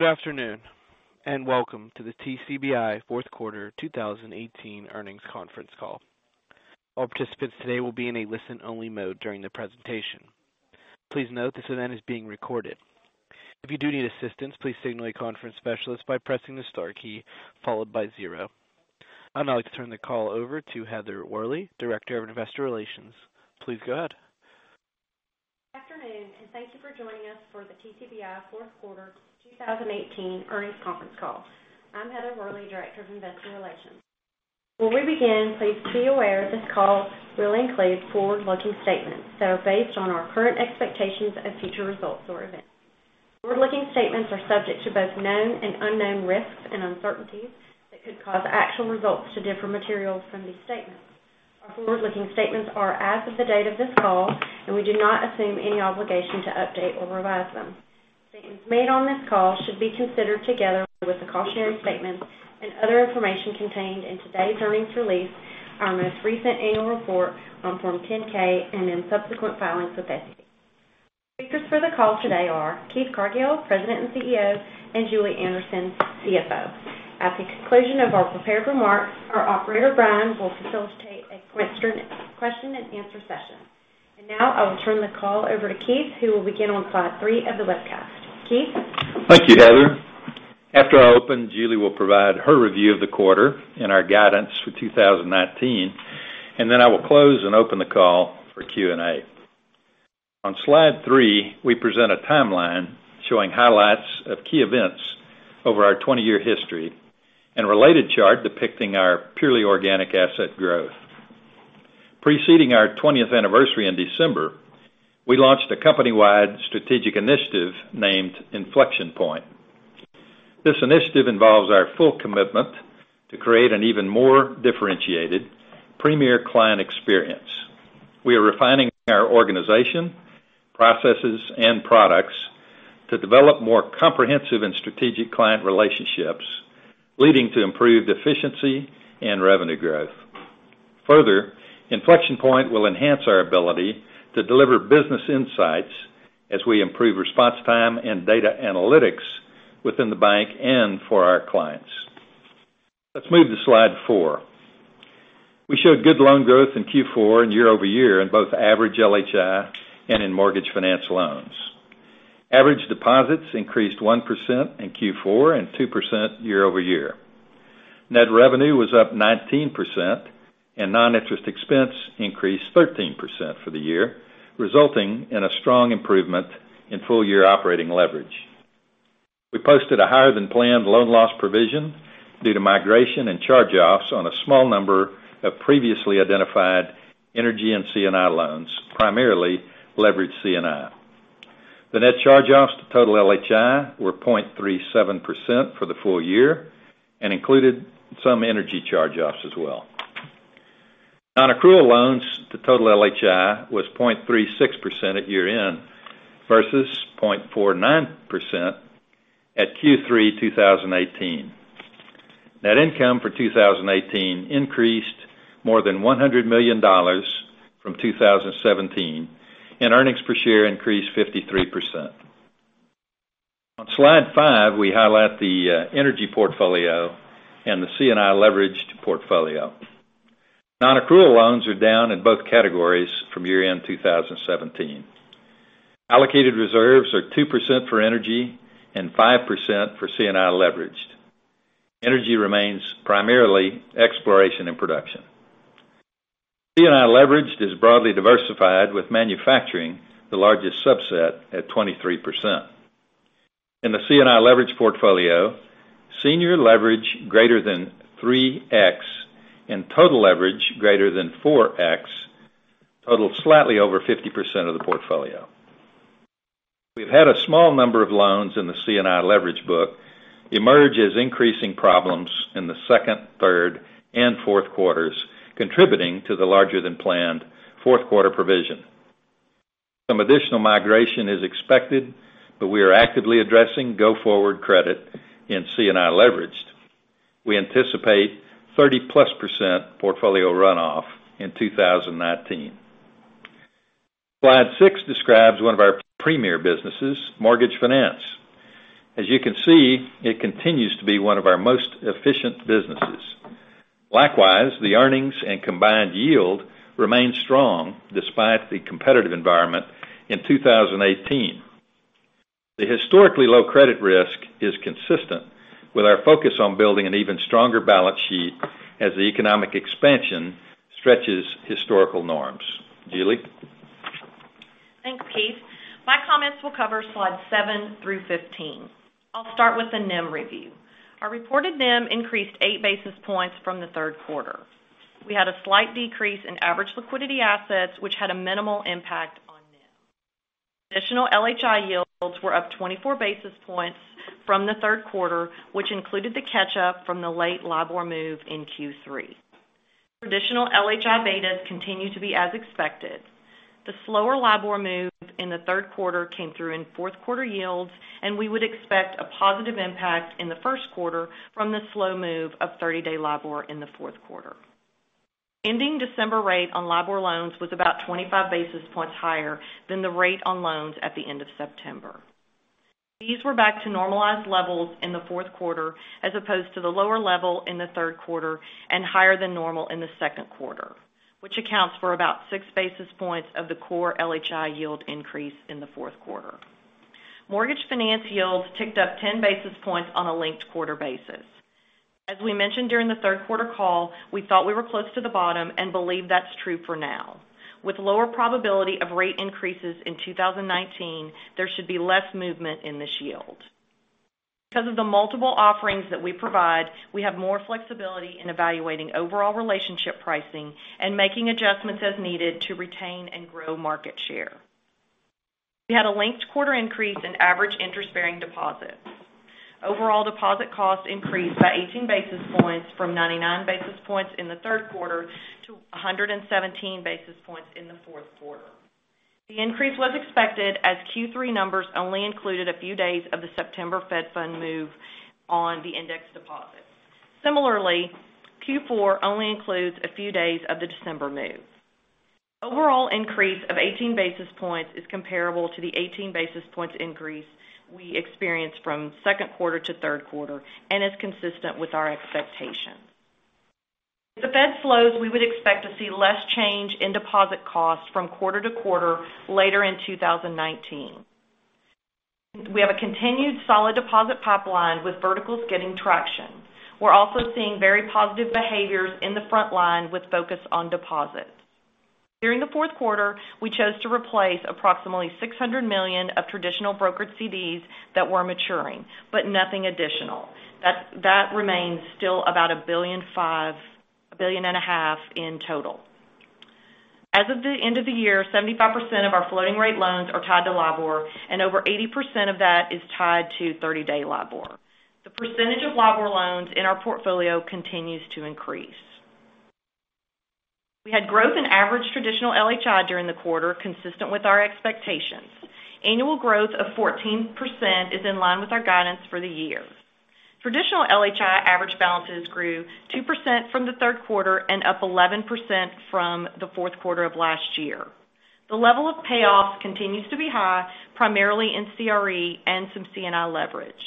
Good afternoon, welcome to the TCBI Fourth Quarter 2018 Earnings Conference Call. All participants today will be in a listen-only mode during the presentation. Please note this event is being recorded. If you do need assistance, please signal a conference specialist by pressing the star key followed by zero. I'd now like to turn the call over to Heather Worley, Director of Investor Relations. Please go ahead. Good afternoon, thank you for joining us for the TCBI fourth quarter 2018 earnings conference call. I'm Heather Worley, Director of Investor Relations. When we begin, please be aware this call will include forward-looking statements that are based on our current expectations of future results or events. Forward-looking statements are subject to both known and unknown risks and uncertainties that could cause actual results to differ materially from these statements. Our forward-looking statements are as of the date of this call, and we do not assume any obligation to update or revise them. Statements made on this call should be considered together with the cautionary statements and other information contained in today's earnings release, our most recent annual report on Form 10-K, and in subsequent filings with the SEC. Speakers for the call today are Keith Cargill, President and CEO, and Julie Anderson, CFO. At the conclusion of our prepared remarks, our operator, Brian, will facilitate a question and answer session. Now I will turn the call over to Keith, who will begin on slide three of the webcast. Keith? Thank you, Heather. After I open, Julie will provide her review of the quarter and our guidance for 2019, and then I will close and open the call for Q&A. On slide three, we present a timeline showing highlights of key events over our 20-year history and a related chart depicting our purely organic asset growth. Preceding our 20th anniversary in December, we launched a company-wide strategic initiative named Inflection Point. This initiative involves our full commitment to create an even more differentiated premier client experience. We are refining our organization, processes, and products to develop more comprehensive and strategic client relationships, leading to improved efficiency and revenue growth. Further, Inflection Point will enhance our ability to deliver business insights as we improve response time and data analytics within the bank and for our clients. Let's move to slide four. We showed good loan growth in Q4 and year-over-year in both average LHI and in mortgage finance loans. Average deposits increased 1% in Q4 and 2% year-over-year. Net revenue was up 19%, and non-interest expense increased 13% for the year, resulting in a strong improvement in full-year operating leverage. We posted a higher-than-planned loan loss provision due to migration and charge-offs on a small number of previously identified energy and C&I loans, primarily leveraged C&I. The net charge-offs to total LHI were 0.37% for the full year and included some energy charge-offs as well. Non-accrual loans to total LHI was 0.36% at year-end versus 0.49% at Q3 2018. Net income for 2018 increased more than $100 million from 2017, and earnings per share increased 53%. On slide five, we highlight the energy portfolio and the C&I leveraged portfolio. Non-accrual loans are down in both categories from year-end 2017. Allocated reserves are 2% for energy and 5% for C&I leveraged. Energy remains primarily exploration and production. C&I leveraged is broadly diversified, with manufacturing the largest subset at 23%. In the C&I leveraged portfolio, senior leverage greater than 3x and total leverage greater than 4x total slightly over 50% of the portfolio. We've had a small number of loans in the C&I leverage book emerge as increasing problems in the second, third, and fourth quarters, contributing to the larger-than-planned fourth quarter provision. Some additional migration is expected, but we are actively addressing go-forward credit in C&I leveraged. We anticipate 30%+ portfolio runoff in 2019. Slide six describes one of our premier businesses, mortgage finance. As you can see, it continues to be one of our most efficient businesses. Likewise, the earnings and combined yield remain strong despite the competitive environment in 2018. The historically low credit risk is consistent with our focus on building an even stronger balance sheet as the economic expansion stretches historical norms. Julie? Thanks, Keith. My comments will cover slides seven through 15. I'll start with the NIM review. Our reported NIM increased eight basis points from the third quarter. We had a slight decrease in average liquidity assets, which had a minimal impact on NIM. Traditional LHI yields were up 24 basis points from the third quarter, which included the catch-up from the late LIBOR move in Q3. Traditional LHI betas continue to be as expected. The slower LIBOR move in the third quarter came through in fourth quarter yields, and we would expect a positive impact in the first quarter from the slow move of 30-day LIBOR in the fourth quarter. Ending December rate on LIBOR loans was about 25 basis points higher than the rate on loans at the end of September. These were back to normalized levels in the fourth quarter as opposed to the lower level in the third quarter and higher than normal in the second quarter, which accounts for about 6 basis points of the core LHI yield increase in the fourth quarter. Mortgage finance yields ticked up 10 basis points on a linked-quarter basis. As we mentioned during the third quarter call, we thought we were close to the bottom and believe that is true for now. With lower probability of rate increases in 2019, there should be less movement in this yield. Because of the multiple offerings that we provide, we have more flexibility in evaluating overall relationship pricing and making adjustments as needed to retain and grow market share. We had a linked-quarter increase in average interest-bearing deposits. Overall deposit costs increased by 18 basis points from 99 basis points in the third quarter to 117 basis points in the fourth quarter. The increase was expected as Q3 numbers only included a few days of the September Fed Fund move on the index deposits. Similarly, Q4 only includes a few days of the December move. Overall increase of 18 basis points is comparable to the 18 basis points increase we experienced from second quarter to third quarter and is consistent with our expectations. If the Fed slows, we would expect to see less change in deposit costs from quarter to quarter later in 2019. We have a continued solid deposit pipeline with verticals getting traction. We are also seeing very positive behaviors in the front line with focus on deposits. During the fourth quarter, we chose to replace approximately $600 million of traditional brokered CDs that were maturing, but nothing additional. That remains still about a $1.5 billion in total. As of the end of the year, 75% of our floating rate loans are tied to LIBOR, and over 80% of that is tied to 30-day LIBOR. The percentage of LIBOR loans in our portfolio continues to increase. We had growth in average traditional LHI during the quarter, consistent with our expectations. Annual growth of 14% is in line with our guidance for the year. Traditional LHI average balances grew 2% from the third quarter and up 11% from the fourth quarter of last year. The level of payoffs continues to be high, primarily in CRE and some C&I leverage.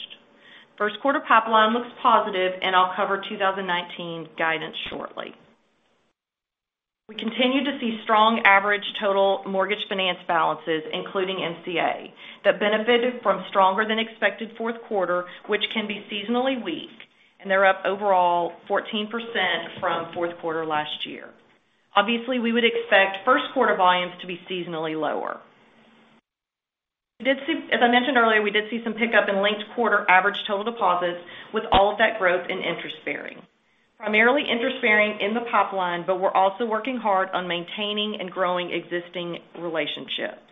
First quarter pipeline looks positive, and I will cover 2019 guidance shortly. We continue to see strong average total mortgage finance balances, including NCA, that benefited from stronger than expected fourth quarter, which can be seasonally weak. They are up overall 14% from fourth quarter last year. Obviously, we would expect first quarter volumes to be seasonally lower. As I mentioned earlier, we did see some pickup in linked quarter average total deposits with all of that growth in interest bearing. Primarily interest bearing in the pipeline. We are also working hard on maintaining and growing existing relationships.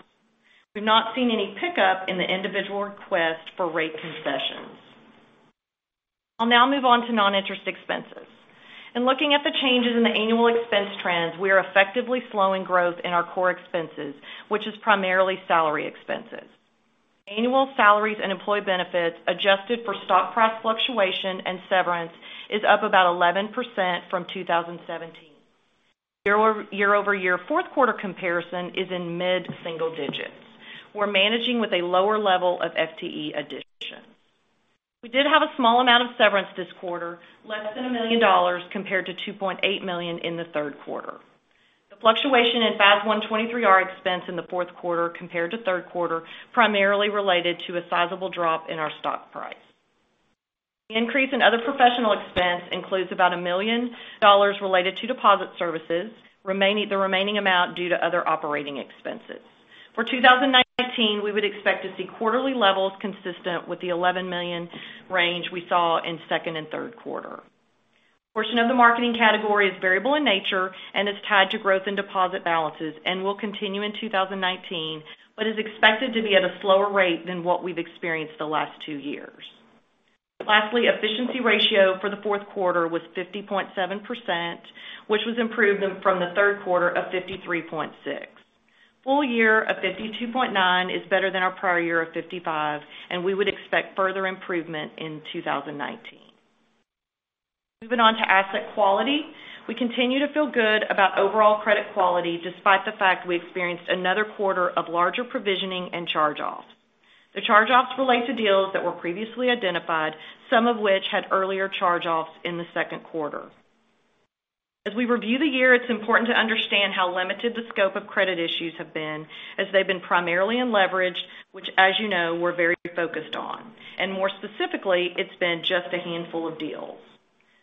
We have not seen any pickup in the individual request for rate concessions. I will now move on to non-interest expenses. In looking at the changes in the annual expense trends, we are effectively slowing growth in our core expenses, which is primarily salary expenses. Annual salaries and employee benefits, adjusted for stock price fluctuation and severance, is up about 11% from 2017. Year-over-year fourth quarter comparison is in mid-single digits. We're managing with a lower level of FTE additions. We did have a small amount of severance this quarter, less than $1 million compared to $2.8 million in the third quarter. The fluctuation in FAS 123R expense in the fourth quarter compared to third quarter primarily related to a sizable drop in our stock price. The increase in other professional expense includes about $1 million related to deposit services, the remaining amount due to other operating expenses. For 2019, we would expect to see quarterly levels consistent with the $11 million range we saw in second and third quarter. A portion of the marketing category is variable in nature and is tied to growth in deposit balances and will continue in 2019, but is expected to be at a slower rate than what we've experienced the last two years. Lastly, efficiency ratio for the fourth quarter was 50.7%, which was improvement from the third quarter of 53.6%. Full year of 52.9% is better than our prior year of 55%, and we would expect further improvement in 2019. Moving on to asset quality. We continue to feel good about overall credit quality, despite the fact we experienced another quarter of larger provisioning and charge-offs. The charge-offs relate to deals that were previously identified, some of which had earlier charge-offs in the second quarter. As we review the year, it's important to understand how limited the scope of credit issues have been, as they've been primarily in leverage, which as you know, we're very focused on. And more specifically, it's been just a handful of deals.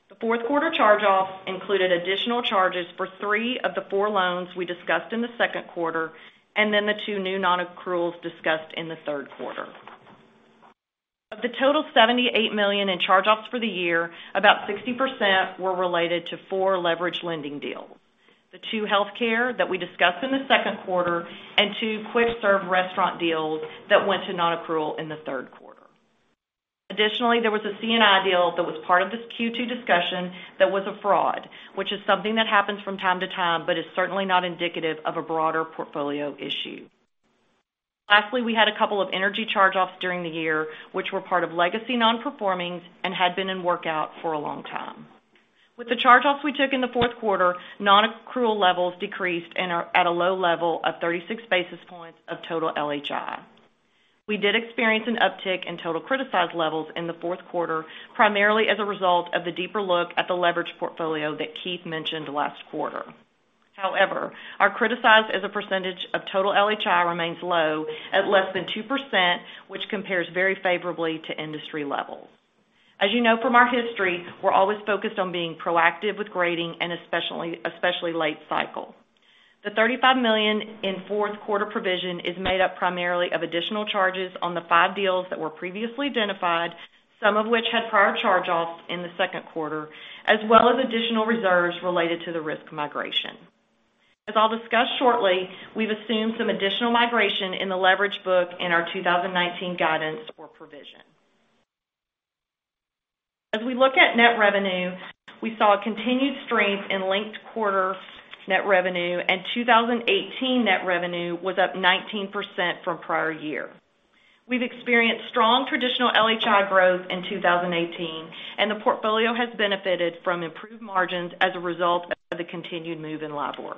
The fourth quarter charge-offs included additional charges for three of the four loans we discussed in the second quarter, and then the two new non-accruals discussed in the third quarter. Of the total $78 million in charge-offs for the year, about 60% were related to four leverage lending deals. The two healthcare that we discussed in the second quarter, and two quick-serve restaurant deals that went to non-accrual in the third quarter. Additionally, there was a C&I deal that was part of this Q2 discussion that was a fraud, which is something that happens from time to time, but is certainly not indicative of a broader portfolio issue. Lastly, we had a couple of energy charge-offs during the year, which were part of legacy non-performings and had been in workout for a long time. With the charge-offs we took in the fourth quarter, non-accrual levels decreased and are at a low level of 36 basis points of total LHI. We did experience an uptick in total criticized levels in the fourth quarter, primarily as a result of the deeper look at the leverage portfolio that Keith mentioned last quarter. However, our criticized as a percentage of total LHI remains low at less than 2%, which compares very favorably to industry levels. As you know from our history, we're always focused on being proactive with grading and especially late cycle. The $35 million in fourth quarter provision is made up primarily of additional charges on the five deals that were previously identified, some of which had prior charge-offs in the second quarter, as well as additional reserves related to the risk migration. As I'll discuss shortly, we've assumed some additional migration in the leverage book in our 2019 guidance for provision. As we look at net revenue, we saw a continued strength in linked quarter net revenue, and 2018 net revenue was up 19% from prior year. We've experienced strong traditional LHI growth in 2018, and the portfolio has benefited from improved margins as a result of the continued move in LIBOR.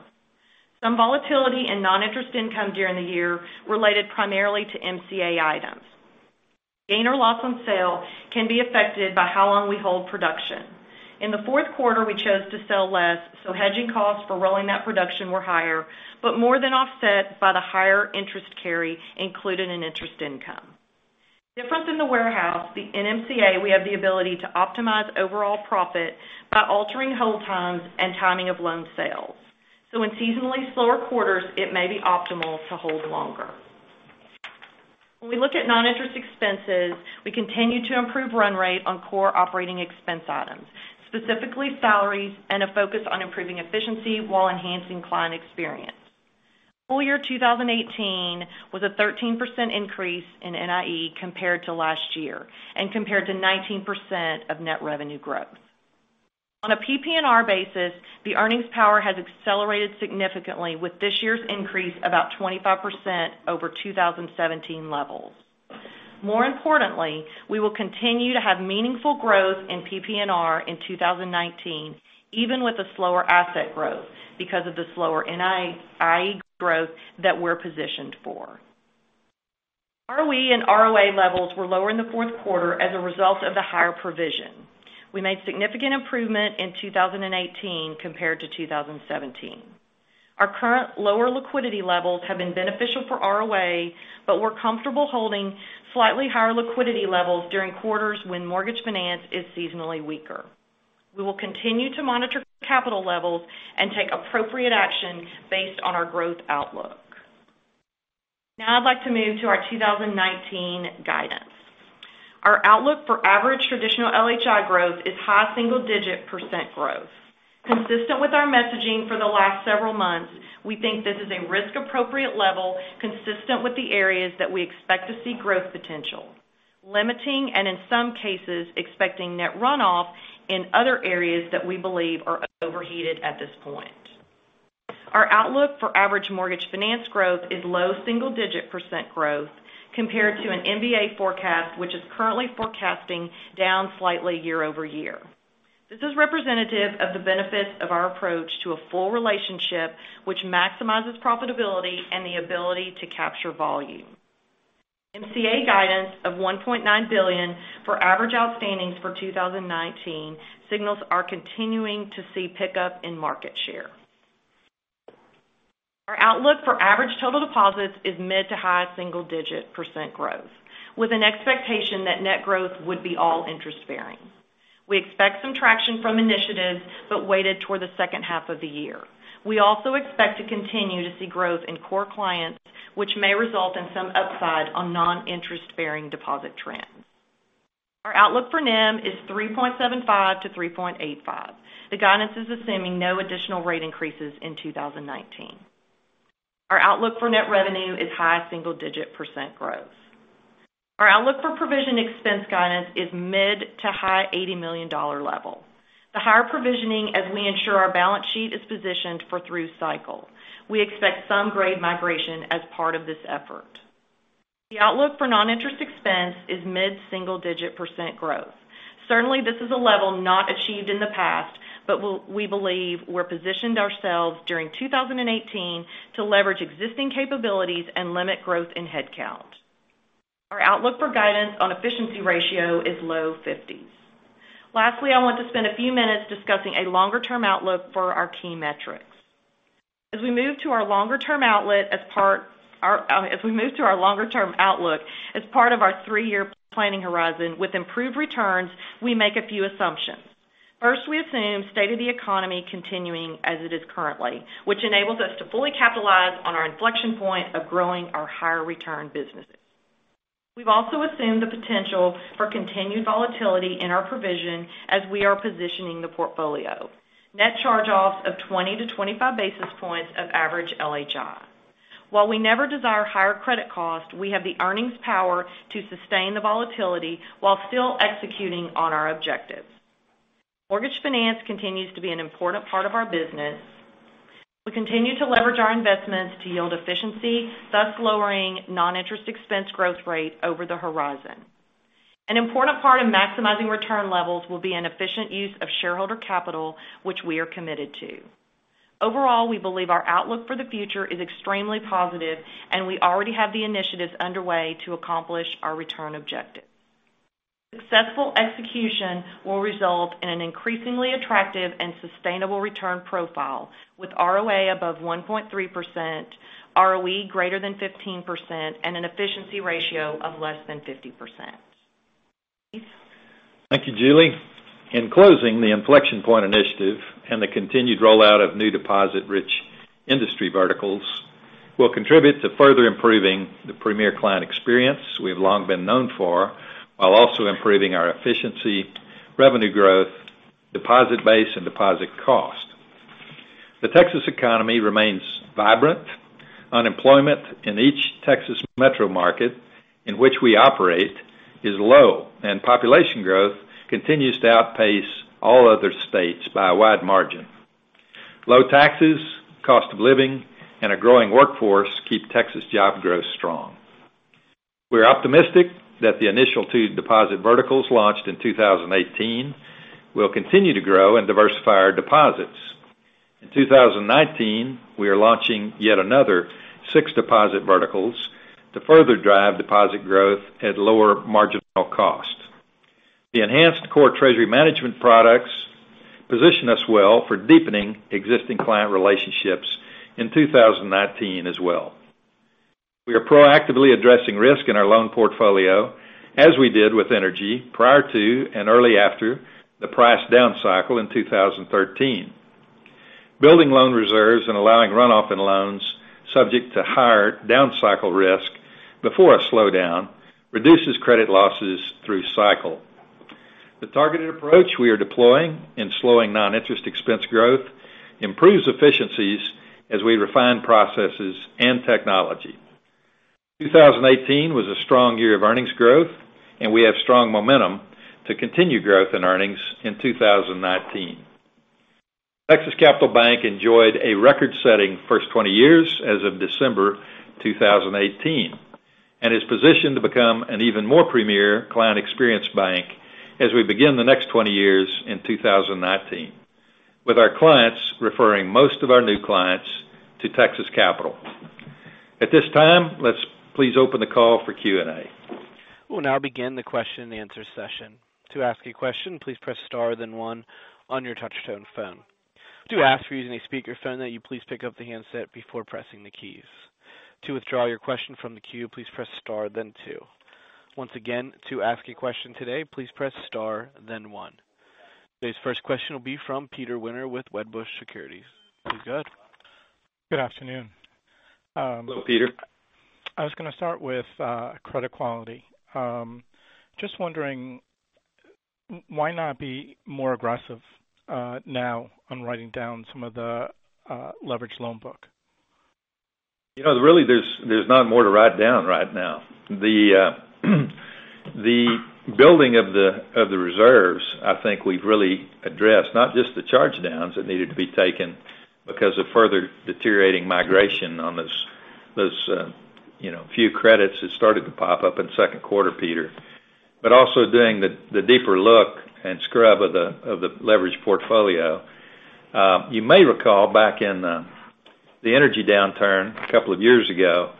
Some volatility in non-interest income during the year related primarily to MCA items. Gain or loss on sale can be affected by how long we hold production. In the fourth quarter, we chose to sell less, so hedging costs for rolling that production were higher, but more than offset by the higher interest carry included in interest income. Different than the warehouse, the NMCA, we have the ability to optimize overall profit by altering hold times and timing of loan sales. In seasonally slower quarters, it may be optimal to hold longer. When we look at non-interest expenses, we continue to improve run rate on core operating expense items, specifically salaries and a focus on improving efficiency while enhancing client experience. Full year 2018 was a 13% increase in NIE compared to last year and compared to 19% of net revenue growth. On a PPNR basis, the earnings power has accelerated significantly with this year's increase about 25% over 2017 levels. More importantly, we will continue to have meaningful growth in PPNR in 2019, even with the slower asset growth because of the slower NIE growth that we're positioned for. ROE and ROA levels were lower in the fourth quarter as a result of the higher provision. We made significant improvement in 2018 compared to 2017. Our current lower liquidity levels have been beneficial for ROA, but we're comfortable holding slightly higher liquidity levels during quarters when mortgage finance is seasonally weaker. We will continue to monitor capital levels and take appropriate actions based on our growth outlook. Now I'd like to move to our 2019 guidance. Our outlook for average traditional LHI growth is high single-digit percent growth. Consistent with our messaging for the last several months, we think this is a risk-appropriate level consistent with the areas that we expect to see growth potential, limiting and in some cases, expecting net runoff in other areas that we believe are overheated at this point. Our outlook for average mortgage finance growth is low double-digit percent growth compared to an MBA forecast, which is currently forecasting down slightly year-over-year. This is representative of the benefits of our approach to a full relationship which maximizes profitability and the ability to capture volume. MCA guidance of $1.9 billion for average outstanding for 2019 signals are continuing to see pickup in market share. Our outlook for average total deposits is mid to high single-digit percent growth, with an expectation that net growth would be all interest-bearing. We expect some traction from initiatives but weighted toward the second half of the year. We also expect to continue to see growth in core clients, which may result in some upside on non-interest-bearing deposit trends. Our outlook for NIM is 3.75%-3.85%. The guidance is assuming no additional rate increases in 2019. Our outlook for net revenue is high single-digit percent growth. Our outlook for provision expense guidance is mid to high $80 million level, the higher provisioning as we ensure our balance sheet is positioned for through cycle. We expect some grade migration as part of this effort. The outlook for non-interest expense is mid-single-digit percent growth. Certainly, this is a level not achieved in the past, but we believe we've positioned ourselves during 2018 to leverage existing capabilities and limit growth in headcount. Our outlook for guidance on efficiency ratio is low 50s. Lastly, I want to spend a few minutes discussing a longer-term outlook for our key metrics. As we move to our longer term outlook as part of our three-year planning horizon with improved returns, we make a few assumptions. First, we assume state of the economy continuing as it is currently, which enables us to fully capitalize on our Inflection Point of growing our higher return businesses. We've also assumed the potential for continued volatility in our provision as we are positioning the portfolio. Net charge-offs of 20-25 basis points of average LHI. While we never desire higher credit cost, we have the earnings power to sustain the volatility while still executing on our objectives. Mortgage finance continues to be an important part of our business. We continue to leverage our investments to yield efficiency, thus lowering non-interest expense growth rate over the horizon. An important part of maximizing return levels will be an efficient use of shareholder capital, which we are committed to. Overall, we believe our outlook for the future is extremely positive, and we already have the initiatives underway to accomplish our return objective. Successful execution will result in an increasingly attractive and sustainable return profile with ROA above 1.3%, ROE greater than 15%, and an efficiency ratio of less than 50%. Keith? Thank you, Julie. In closing, the Inflection Point initiative and the continued rollout of new deposit-rich industry verticals will contribute to further improving the premier client experience we've long been known for, while also improving our efficiency, revenue growth, deposit base, and deposit cost. The Texas economy remains vibrant. Unemployment in each Texas metro market in which we operate is low, and population growth continues to outpace all other states by a wide margin. Low taxes, cost of living, and a growing workforce keep Texas job growth strong. We're optimistic that the initial two deposit verticals launched in 2018 will continue to grow and diversify our deposits. In 2019, we are launching yet another SIX deposit verticals to further drive deposit growth at lower marginal cost. The enhanced core Treasury management products position us well for deepening existing client relationships in 2019 as well. We are proactively addressing risk in our loan portfolio, as we did with energy prior to and early after the price down cycle in 2013. Building loan reserves and allowing runoff in loans subject to higher down cycle risk before a slowdown reduces credit losses through cycle. The targeted approach we are deploying in slowing non-interest expense growth improves efficiencies as we refine processes and technology. 2018 was a strong year of earnings growth, and we have strong momentum to continue growth in earnings in 2019. Texas Capital Bank enjoyed a record-setting first 20 years as of December 2018, and is positioned to become an even more premier client experience bank as we begin the next 20 years in 2019, with our clients referring most of our new clients to Texas Capital. At this time, let's please open the call for Q&A. We'll now begin the question and answer session. To ask a question, please press star then one on your touch-tone phone. We do ask for using a speaker phone that you please pick up the handset before pressing the keys. To withdraw your question from the queue, please press star then two. Once again, to ask a question today, please press star then one. Today's first question will be from Peter Winter with Wedbush Securities. Please go ahead. Good afternoon. Hello, Peter. I was going to start with, credit quality. Just wondering, why not be more aggressive now on writing down some of the leverage loan book? There's not more to write down right now. The building of the reserves, I think we've really addressed not just the charge downs that needed to be taken because of further deteriorating migration on those few credits that started to pop up in the second quarter, Peter. Also doing the deeper look and scrub of the leverage portfolio. You may recall back in the energy downturn a couple of years ago,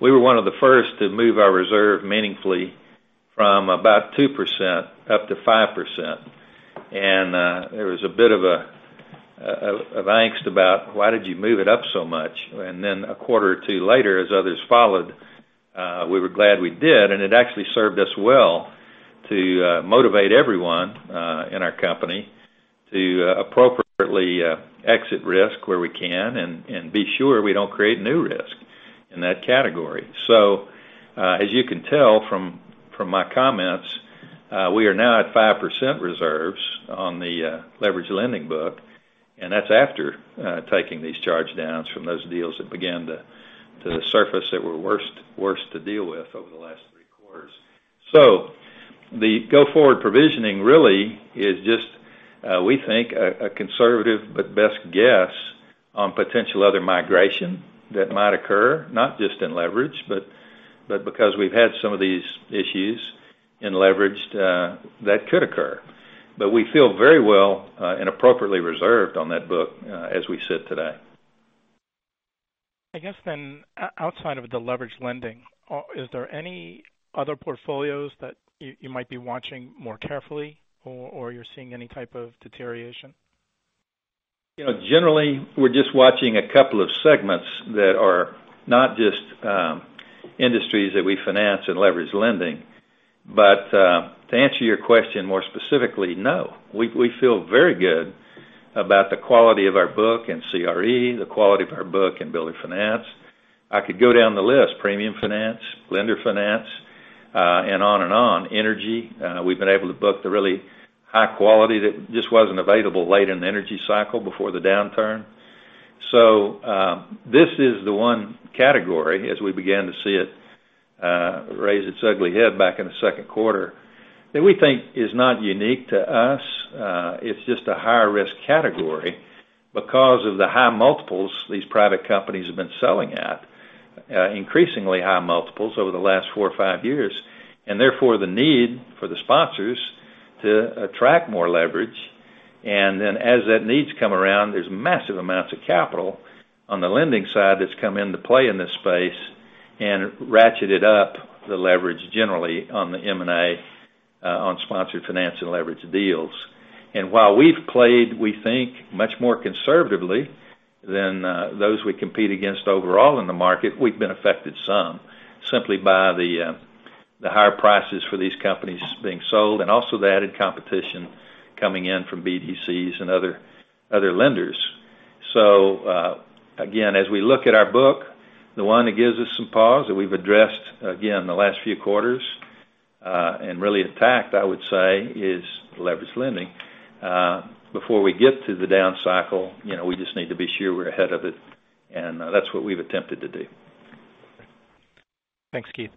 we were one of the first to move our reserve meaningfully from about 2% up to 5%. There was a bit of angst about why did you move it up so much. A quarter or two later, as others followed, we were glad we did, and it actually served us well to motivate everyone in our company to appropriately exit risk where we can and be sure we don't create new risk in that category. As you can tell from my comments, we are now at 5% reserves on the leverage lending book, and that's after taking these charge downs from those deals that began to surface that were worse to deal with over the last three quarters. The go-forward provisioning really is just, we think, a conservative but best guess on potential other migration that might occur, not just in leverage, but because we've had some of these issues in leverage that could occur. We feel very well and appropriately reserved on that book as we sit today. Outside of the leverage lending, is there any other portfolios that you might be watching more carefully or you're seeing any type of deterioration? We're just watching a couple of segments that are not just industries that we finance in leverage lending. To answer your question more specifically, no. We feel very good about the quality of our book in CRE, the quality of our book in builder finance. I could go down the list. Premium finance, lender finance, and on and on. Energy, we've been able to book the really high quality that just wasn't available late in the energy cycle before the downturn. This is the one category, as we began to see it raise its ugly head back in the second quarter, that we think is not unique to us. It's just a higher risk category because of the high multiples these private companies have been selling at, increasingly high multiples over the last four or five years, and therefore the need for the sponsors to attract more leverage. As that needs come around, there's massive amounts of capital on the lending side that's come into play in this space and ratcheted up the leverage generally on the M&A on sponsored finance and leverage deals. While we've played, we think, much more conservatively than those we compete against overall in the market, we've been affected some simply by the higher prices for these companies being sold and also the added competition coming in from BDCs and other lenders. Again, as we look at our book, the one that gives us some pause that we've addressed again the last few quarters, and really attacked, I would say, is leverage lending. Before we get to the down cycle, we just need to be sure we're ahead of it, and that's what we've attempted to do. Thanks, Keith.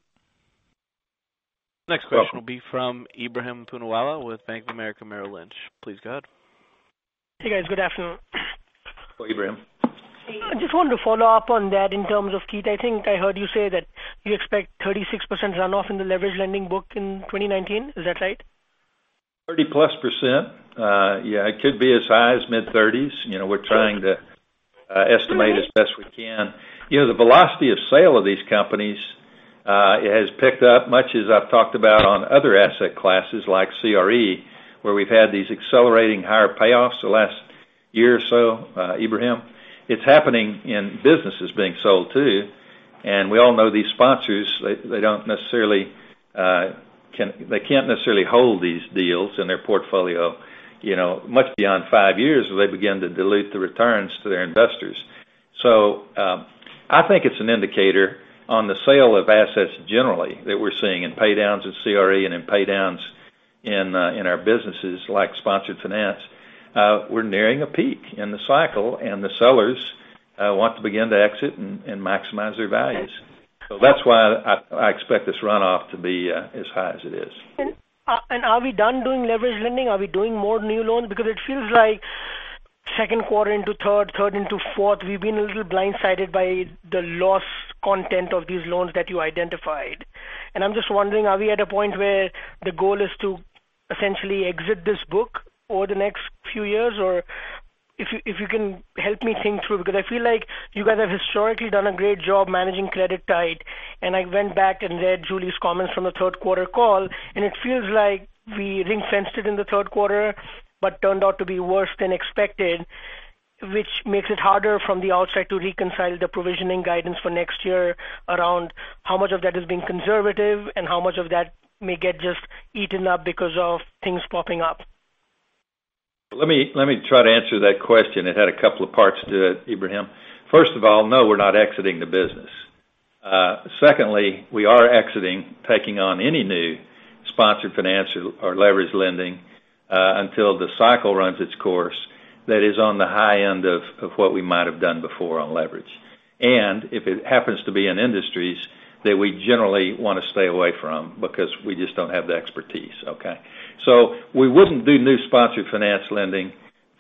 You're welcome. Next question will be from Ebrahim Poonawala with Bank of America, Merrill Lynch. Please go ahead. Hey, guys. Good afternoon. Hello, Ebrahim. I just wanted to follow up on that in terms of, Keith, I think I heard you say that you expect 36% runoff in the leverage lending book in 2019. Is that right? 30%+ Yeah, it could be as high as mid-30s. We're trying to estimate as best we can. The velocity of sale of these companies, it has picked up much as I've talked about on other asset classes like CRE, where we've had these accelerating higher payoffs the last year or so, Ebrahim. It's happening in businesses being sold too. We all know these sponsors, they can't necessarily hold these deals in their portfolio much beyond five years, or they begin to dilute the returns to their investors. I think it's an indicator on the sale of assets generally that we're seeing in pay-downs in CRE and in pay-downs in our businesses like sponsored finance. We're nearing a peak in the cycle, and the sellers want to begin to exit and maximize their values. That's why I expect this runoff to be as high as it is. Are we done doing leverage lending? Are we doing more new loans? Because it feels like second quarter into third into fourth, we've been a little blindsided by the loss content of these loans that you identified. I'm just wondering, are we at a point where the goal is to essentially exit this book over the next few years? Or if you can help me think through, because I feel like you guys have historically done a great job managing credit tide. I went back and read Julie's comments from the third quarter call, and it feels like we ring-fenced it in the third quarter, but turned out to be worse than expected, which makes it harder from the outside to reconcile the provisioning guidance for next year around how much of that is being conservative and how much of that may get just eaten up because of things popping up. Let me try to answer that question. It had a couple of parts to it, Ebrahim. First of all, no, we're not exiting the business. Secondly, we are exiting taking on any new sponsored finance or leverage lending, until the cycle runs its course, that is on the high end of what we might have done before on leverage. If it happens to be in industries that we generally want to stay away from because we just don't have the expertise, okay? We wouldn't do new sponsored finance lending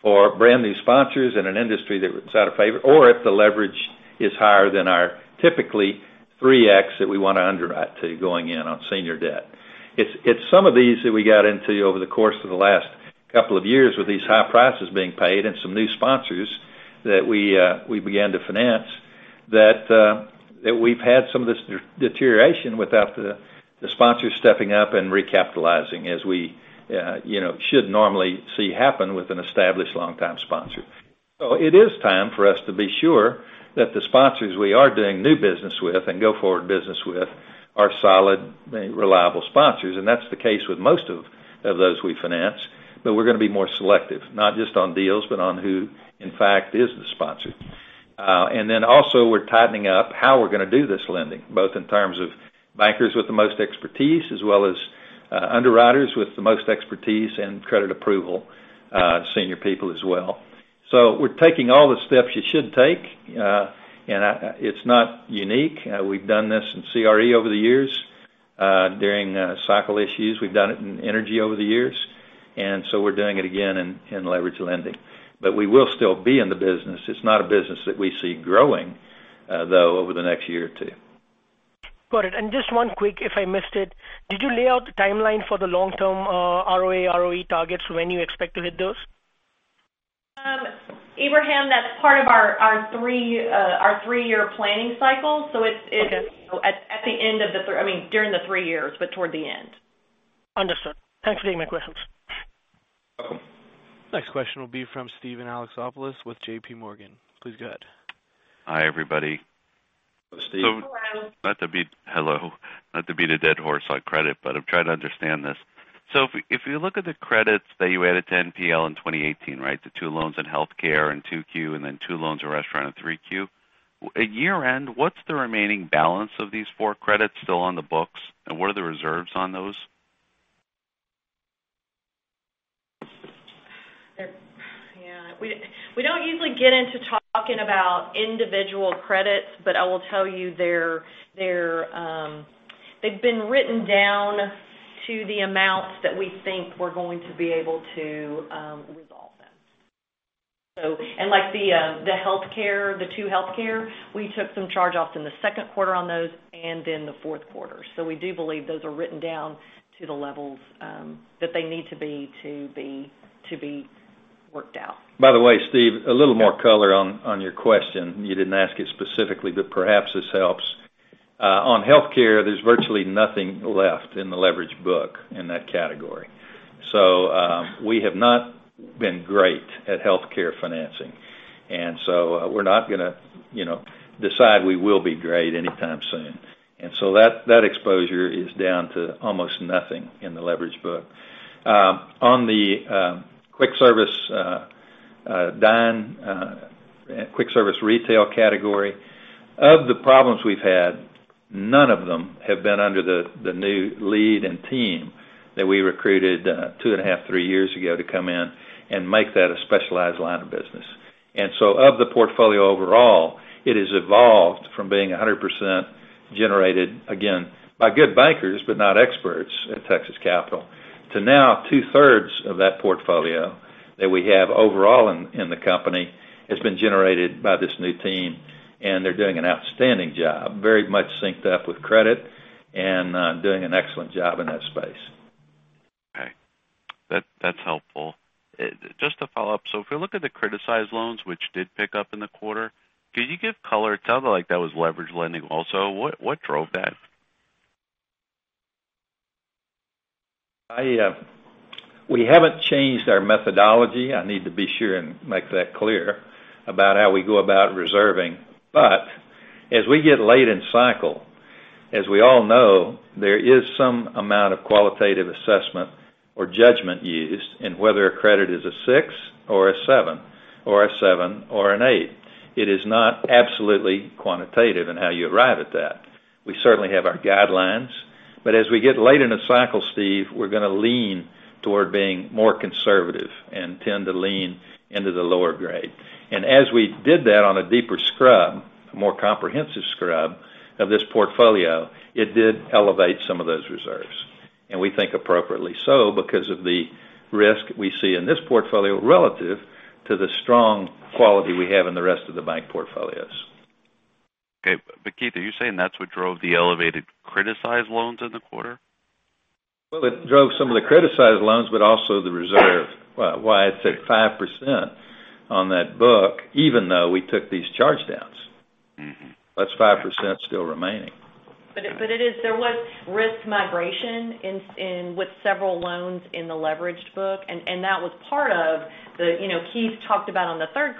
for brand new sponsors in an industry that's out of favor or if the leverage is higher than our typically 3x that we want to underwrite to going in on senior debt. It's some of these that we got into over the course of the last couple of years with these high prices being paid and some new sponsors that we began to finance that we've had some of this deterioration without the sponsors stepping up and recapitalizing as we should normally see happen with an established long-time sponsor. It is time for us to be sure that the sponsors we are doing new business with and go-forward business with are solid, reliable sponsors, and that's the case with most of those we finance. We're going to be more selective, not just on deals, but on who in fact is the sponsor. Also we're tightening up how we're going to do this lending, both in terms of bankers with the most expertise as well as underwriters with the most expertise and credit approval, senior people as well. We're taking all the steps you should take. It's not unique. We've done this in CRE over the years, during cycle issues. We've done it in energy over the years. We're doing it again in leverage lending. We will still be in the business. It's not a business that we see growing, though, over the next year or two. Got it. Just one quick, if I missed it, did you lay out the timeline for the long-term ROA, ROE targets, when you expect to hit those? Ebrahim, that's part of our three-year planning cycle. Okay. It's during the three years, but toward the end. Understood. Thanks for taking my questions. Welcome. Next question will be from Steven Alexopoulos with JPMorgan. Please go ahead. Hi, everybody. Hello, Steve. Hello. Hello. Not to beat a dead horse on credit, but I'm trying to understand this. If we look at the credits that you added to NPL in 2018, right? The two loans in healthcare in 2Q and then two loans in restaurant in 3Q. At year-end, what's the remaining balance of these four credits still on the books, and what are the reserves on those? Yeah. We don't usually get into talking about individual credits, but I will tell you, they've been written down to the amounts that we think we're going to be able to resolve them. Like the two healthcare, we took some charge-offs in the second quarter on those, and in the fourth quarter. We do believe those are written down to the levels that they need to be, to be worked out. By the way, Steve, a little more color on your question. You didn't ask it specifically, but perhaps this helps. On healthcare, there's virtually nothing left in the leverage book in that category. We have not been great at healthcare financing. We're not going to decide we will be great anytime soon. That exposure is down to almost nothing in the leverage book. On the quick service dine, quick service retail category, of the problems we've had, none of them have been under the new lead and team that we recruited two and a half, three years ago to come in and make that a specialized line of business. Of the portfolio overall, it has evolved from being 100% generated, again, by good bankers, but not experts at Texas Capital, to now 2/3 of that portfolio that we have overall in the company has been generated by this new team, and they're doing an outstanding job, very much synced up with credit and doing an excellent job in that space. Okay. That's helpful. Just to follow up, if you look at the criticized loans, which did pick up in the quarter, could you give color? It sounded like that was leverage lending also. What drove that? We haven't changed our methodology. I need to be sure and make that clear about how we go about reserving. As we get late in cycle, as we all know, there is some amount of qualitative assessment or judgment used in whether a credit is a six or a seven, or a seven or an eight. It is not absolutely quantitative in how you arrive at that. We certainly have our guidelines, as we get late in the cycle, Steve, we're going to lean toward being more conservative and tend to lean into the lower grade. As we did that on a deeper scrub, a more comprehensive scrub of this portfolio, it did elevate some of those reserves. We think appropriately so, because of the risk we see in this portfolio relative to the strong quality we have in the rest of the bank portfolios. Okay. Keith, are you saying that's what drove the elevated criticized loans in the quarter? It drove some of the criticized loans, but also the reserve. Why it's at 5% on that book, even though we took these charge downs. That's 5% still remaining. There was risk migration with several loans in the leveraged book. That was part of Keith talked about on the third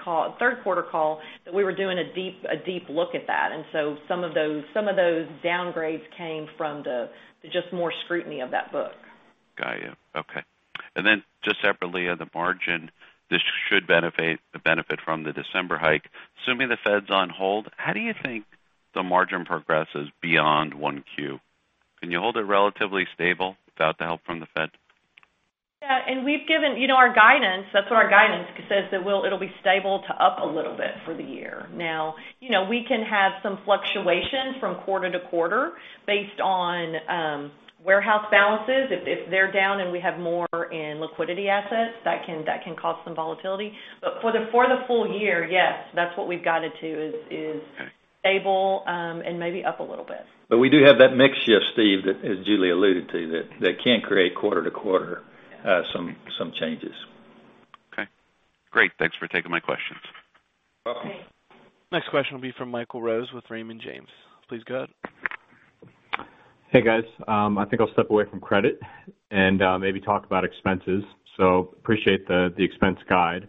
quarter call that we were doing a deep look at that. Some of those downgrades came from just more scrutiny of that book. Got you. Okay. Just separately on the margin, this should benefit from the December hike. Assuming the Fed's on hold, how do you think the margin progresses beyond 1Q? Can you hold it relatively stable without the help from the Fed? Yeah, we've given our guidance. That's what our guidance says, that it'll be stable to up a little bit for the year. Now, we can have some fluctuations from quarter to quarter based on warehouse balances. If they're down and we have more in liquidity assets, that can cause some volatility. For the full year, yes, that's what we've guided to. Okay stable, maybe up a little bit. We do have that mix shift, Steve, that as Julie alluded to, that can create quarter-to-quarter some changes. Okay. Great. Thanks for taking my questions. Welcome. Okay. Next question will be from Michael Rose with Raymond James. Please go ahead. Hey, guys. I think I'll step away from credit and maybe talk about expenses. Appreciate the expense guide.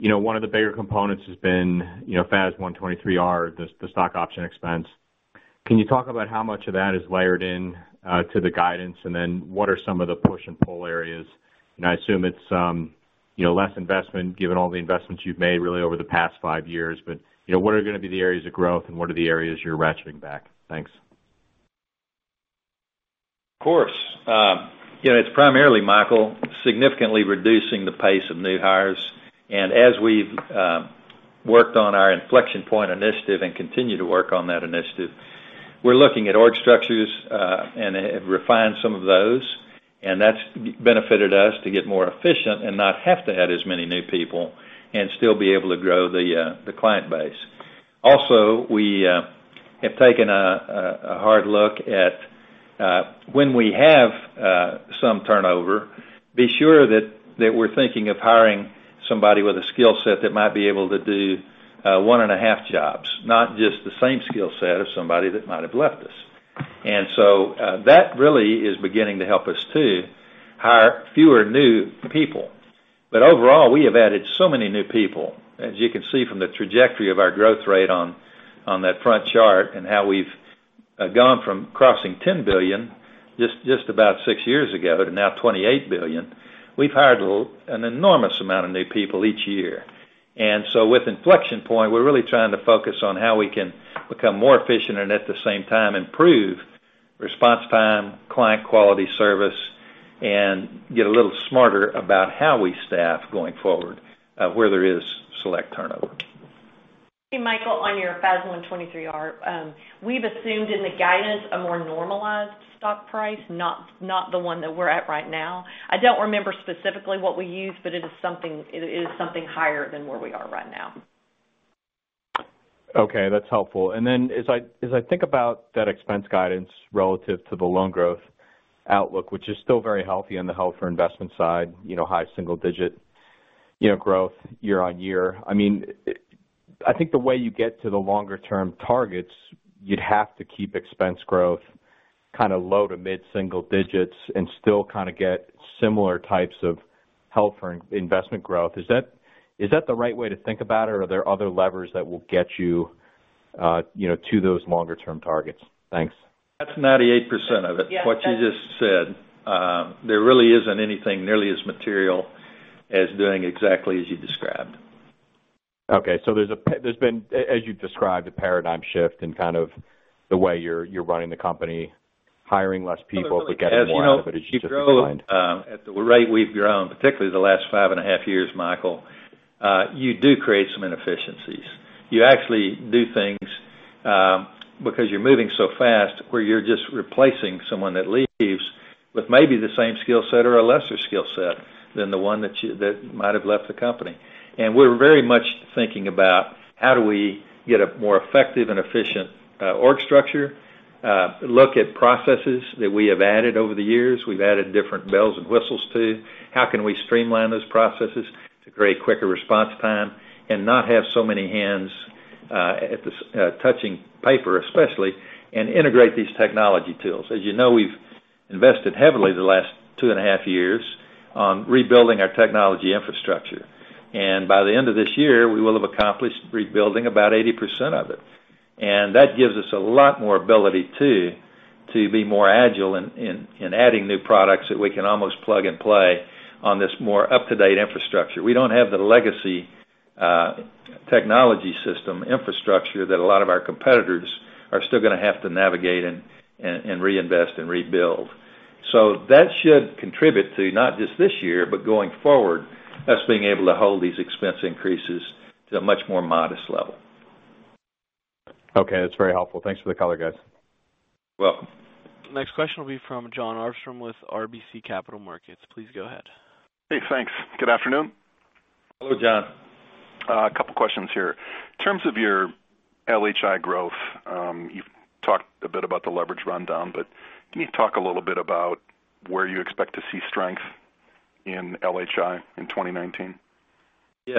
One of the bigger components has been FAS 123R, the stock option expense. Can you talk about how much of that is layered in to the guidance, and then what are some of the push and pull areas? I assume it's less investment, given all the investments you've made really over the past five years, but what are going to be the areas of growth, and what are the areas you're ratcheting back? Thanks. Of course. It's primarily, Michael, significantly reducing the pace of new hires. As we've worked on our Inflection Point initiative and continue to work on that initiative, we're looking at org structures, and refine some of those. That's benefited us to get more efficient and not have to have as many new people and still be able to grow the client base. Also, we have taken a hard look at when we have some turnover, be sure that we're thinking of hiring somebody with a skill set that might be able to do one and a half jobs, not just the same skill set of somebody that might have left us. That really is beginning to help us too, hire fewer new people. Overall, we have added so many new people. As you can see from the trajectory of our growth rate on that front chart and how we've gone from crossing $10 billion just about six years ago to now $28 billion, we've hired an enormous amount of new people each year. With Inflection Point, we're really trying to focus on how we can become more efficient and at the same time improve response time, client quality service, and get a little smarter about how we staff going forward, where there is select turnover. Michael, on your FAS 123R, we've assumed in the guidance a more normalized stock price, not the one that we're at right now. I don't remember specifically what we use, it is something higher than where we are right now. Okay, that's helpful. As I think about that expense guidance relative to the loan growth outlook, which is still very healthy on the hold for investment side, high single-digit growth year-on-year. I think the way you get to the longer term targets, you'd have to keep expense growth kind of low to mid single-digits and still kind of get similar types of held for investment growth. Is that the right way to think about it, or are there other levers that will get you to those longer term targets? Thanks. That's 98% of it. Yes. What you just said. There really isn't anything nearly as material as doing exactly as you described. Okay. There's been, as you described, a paradigm shift in kind of the way you're running the company, hiring less people, but getting more out of it as you just outlined. As you grow at the rate we've grown, particularly the last five and a half years, Michael, you do create some inefficiencies. You actually do things, because you're moving so fast, where you're just replacing someone that leaves with maybe the same skill set or a lesser skill set than the one that might have left the company. We're very much thinking about how do we get a more effective and efficient org structure, look at processes that we have added over the years, we've added different bells and whistles to. How can we streamline those processes to create quicker response time and not have so many hands touching paper, especially, and integrate these technology tools. As you know, we've invested heavily the last two and a half years on rebuilding our technology infrastructure. By the end of this year, we will have accomplished rebuilding about 80% of it. That gives us a lot more ability too, to be more agile in adding new products that we can almost plug and play on this more up-to-date infrastructure. We don't have the legacy technology system infrastructure that a lot of our competitors are still going to have to navigate and reinvest and rebuild. That should contribute to, not just this year, but going forward, us being able to hold these expense increases to a much more modest level. Okay. That's very helpful. Thanks for the color, guys. Welcome. Next question will be from Jon Arfstrom with RBC Capital Markets. Please go ahead. Hey, thanks. Good afternoon. Hello, Jon. A couple questions here. In terms of your LHI growth, you've talked a bit about the leverage rundown, but can you talk a little bit about where you expect to see strength in LHI in 2019? Yes.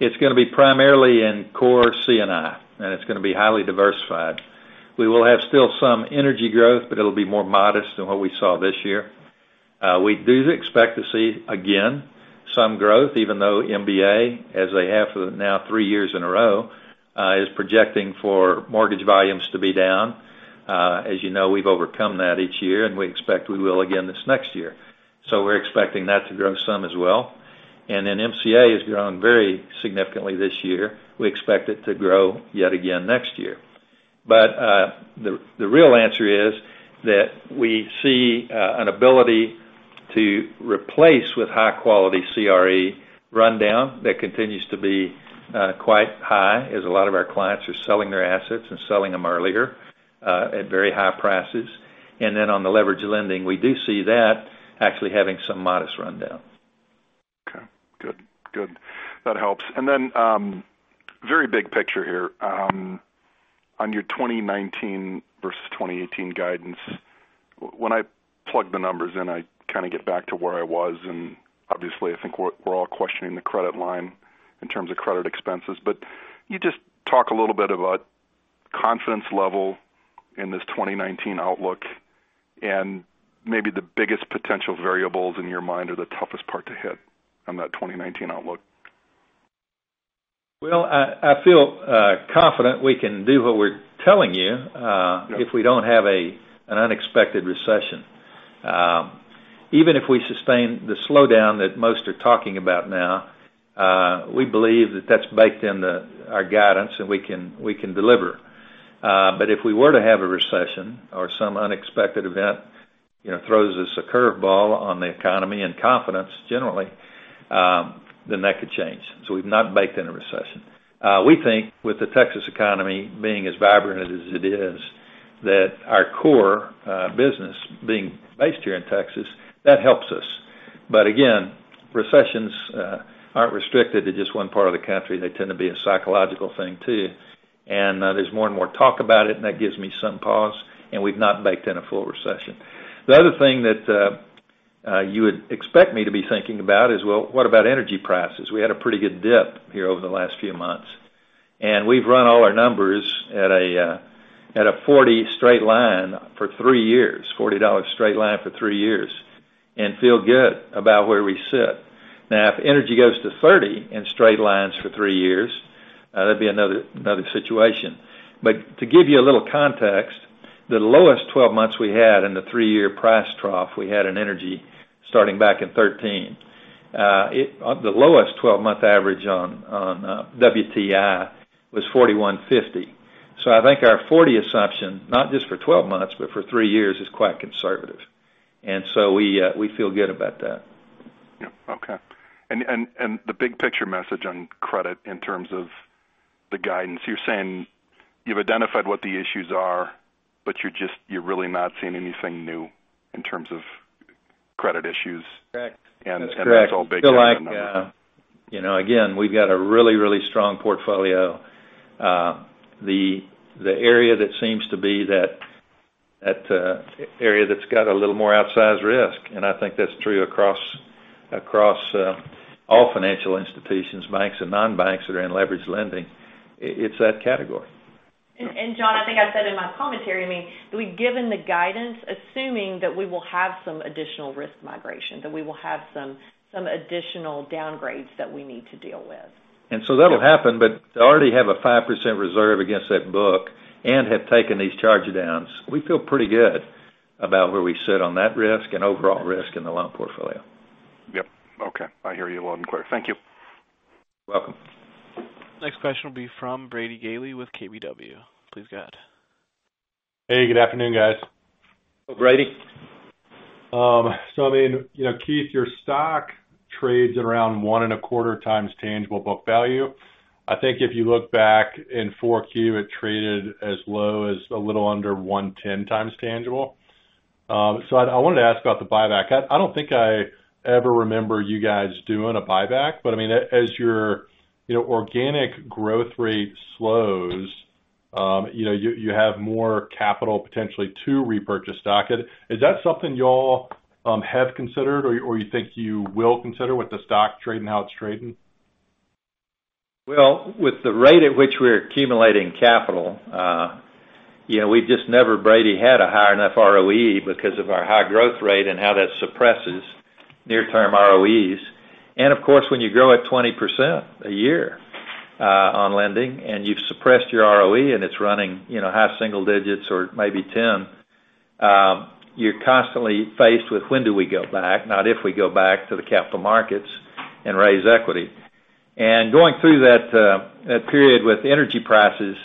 It's going to be primarily in core C&I. It's going to be highly diversified. We will have still some energy growth. It'll be more modest than what we saw this year. We do expect to see, again, some growth, even though MBA, as they have for now three years in a row, is projecting for mortgage volumes to be down. As you know, we've overcome that each year. We expect we will again this next year. We're expecting that to grow some as well. MCA has grown very significantly this year. We expect it to grow yet again next year. The real answer is that we see an ability to replace with high-quality CRE rundown that continues to be quite high as a lot of our clients are selling their assets and selling them earlier, at very high prices. On the leverage lending, we do see that actually having some modest rundown. Okay, good. That helps. Very big picture here. On your 2019 versus 2018 guidance, when I plug the numbers in, I kind of get back to where I was. Obviously, I think we're all questioning the credit line in terms of credit expenses. Can you just talk a little bit about confidence level in this 2019 outlook, and maybe the biggest potential variables in your mind are the toughest part to hit on that 2019 outlook? Well, I feel confident we can do what we're telling you. Yeah if we don't have an unexpected recession. Even if we sustain the slowdown that most are talking about now, we believe that that's baked into our guidance, and we can deliver. If we were to have a recession or some unexpected event throws us a curve ball on the economy and confidence generally, then that could change. We've not baked in a recession. We think with the Texas economy being as vibrant as it is, that our core business being based here in Texas, that helps us. Again, recessions aren't restricted to just one part of the country. They tend to be a psychological thing too, and there's more and more talk about it, and that gives me some pause, and we've not baked in a full recession. The other thing that you would expect me to be thinking about is, well, what about energy prices? We had a pretty good dip here over the last few months, and we've run all our numbers at a $40 straight line for three years, and feel good about where we sit. Now, if energy goes to $30 and straight lines for three years, that'd be another situation. To give you a little context, the lowest 12 months we had in the three-year price trough, we had in energy starting back in 2013. The lowest 12-month average on WTI was $41.50. I think our $40 assumption, not just for 12 months but for three years, is quite conservative. We feel good about that. Yeah, okay. The big picture message on credit in terms of the guidance, you're saying you've identified what the issues are, but you're really not seeing anything new in terms of credit issues. Correct. It's all baked in. That's correct. Again, we've got a really strong portfolio. The area that seems to be that area that's got a little more outsized risk, and I think that's true across all financial institutions, banks and non-banks that are in leverage lending, it's that category. Jon, I think I said in my commentary, we've given the guidance assuming that we will have some additional risk migration, that we will have some additional downgrades that we need to deal with. That'll happen, but to already have a 5% reserve against that book and have taken these charge downs, we feel pretty good about where we sit on that risk and overall risk in the loan portfolio. Yep. Okay. I hear you loud and clear. Thank you. Welcome. Next question will be from Brady Gailey with KBW. Please go ahead. Hey, good afternoon, guys. Brady. Keith, your stock trades at around 1.25x tangible book value. I think if you look back in 4Q, it traded as low as a little under 110x tangible. I wanted to ask about the buyback. I don't think I ever remember you guys doing a buyback, but as your organic growth rate slows, you have more capital potentially to repurchase stock. Is that something you all have considered or you think you will consider with the stock trading how it's trading? With the rate at which we're accumulating capital, we've just never, Brady, had a high enough ROE because of our high growth rate and how that suppresses near-term ROEs. Of course, when you grow at 20% a year on lending and you've suppressed your ROE and it's running high single digits or maybe 10, you're constantly faced with when do we go back, not if we go back to the capital markets and raise equity. Going through that period with energy prices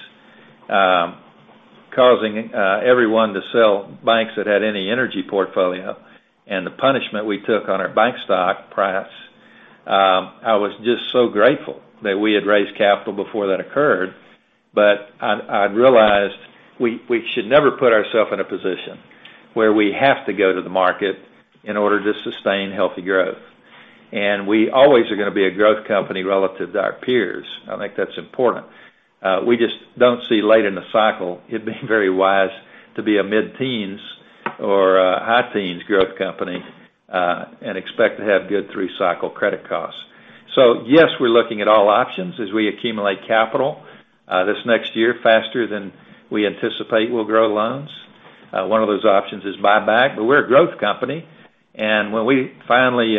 causing everyone to sell banks that had any energy portfolio and the punishment we took on our bank stock price, I was just so grateful that we had raised capital before that occurred. I'd realized we should never put ourself in a position where we have to go to the market in order to sustain healthy growth. We always are going to be a growth company relative to our peers. I think that's important. We just don't see late in the cycle it being very wise to be a mid-teens or a high teens growth company, and expect to have good through cycle credit costs. Yes, we're looking at all options as we accumulate capital this next year faster than we anticipate we'll grow loans. One of those options is buyback, but we're a growth company, and when we finally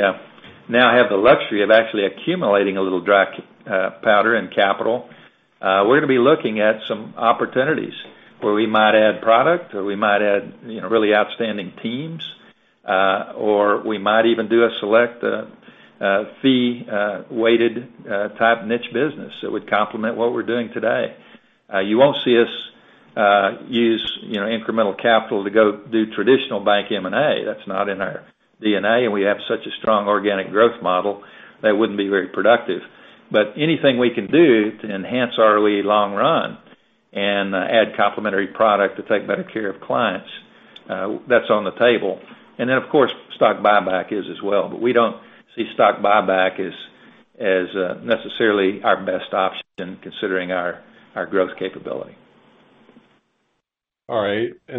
now have the luxury of actually accumulating a little dry powder and capital, we're going to be looking at some opportunities where we might add product or we might add really outstanding teams, or we might even do a select fee-weighted type niche business that would complement what we're doing today. You won't see us use incremental capital to go do traditional bank M&A. That's not in our DNA. We have such a strong organic growth model that wouldn't be very productive. Anything we can do to enhance ROE long run and add complementary product to take better care of clients, that's on the table. Of course, stock buyback is as well. We don't see stock buyback as necessarily our best option considering our growth capability. All right. I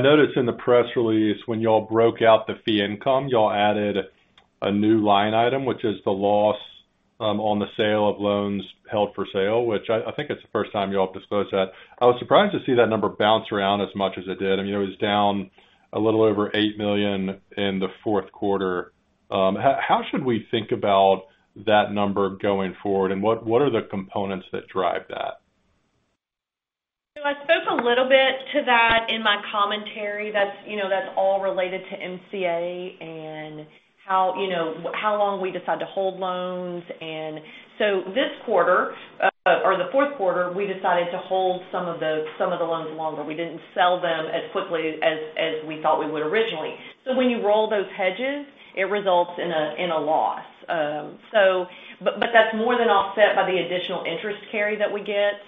noticed in the press release when you all broke out the fee income, you all added a new line item, which is the loss on the sale of loans held for sale, which I think it's the first time you all disclosed that. I was surprised to see that number bounce around as much as it did. It was down a little over $8 million in the fourth quarter. How should we think about that number going forward, and what are the components that drive that? I spoke a little bit to that in my commentary. That's all related to MCA and how long we decide to hold loans. This quarter, or the fourth quarter, we decided to hold some of the loans longer. We didn't sell them as quickly as we thought we would originally. When you roll those hedges, it results in a loss. That's more than offset by the additional interest carry that we get.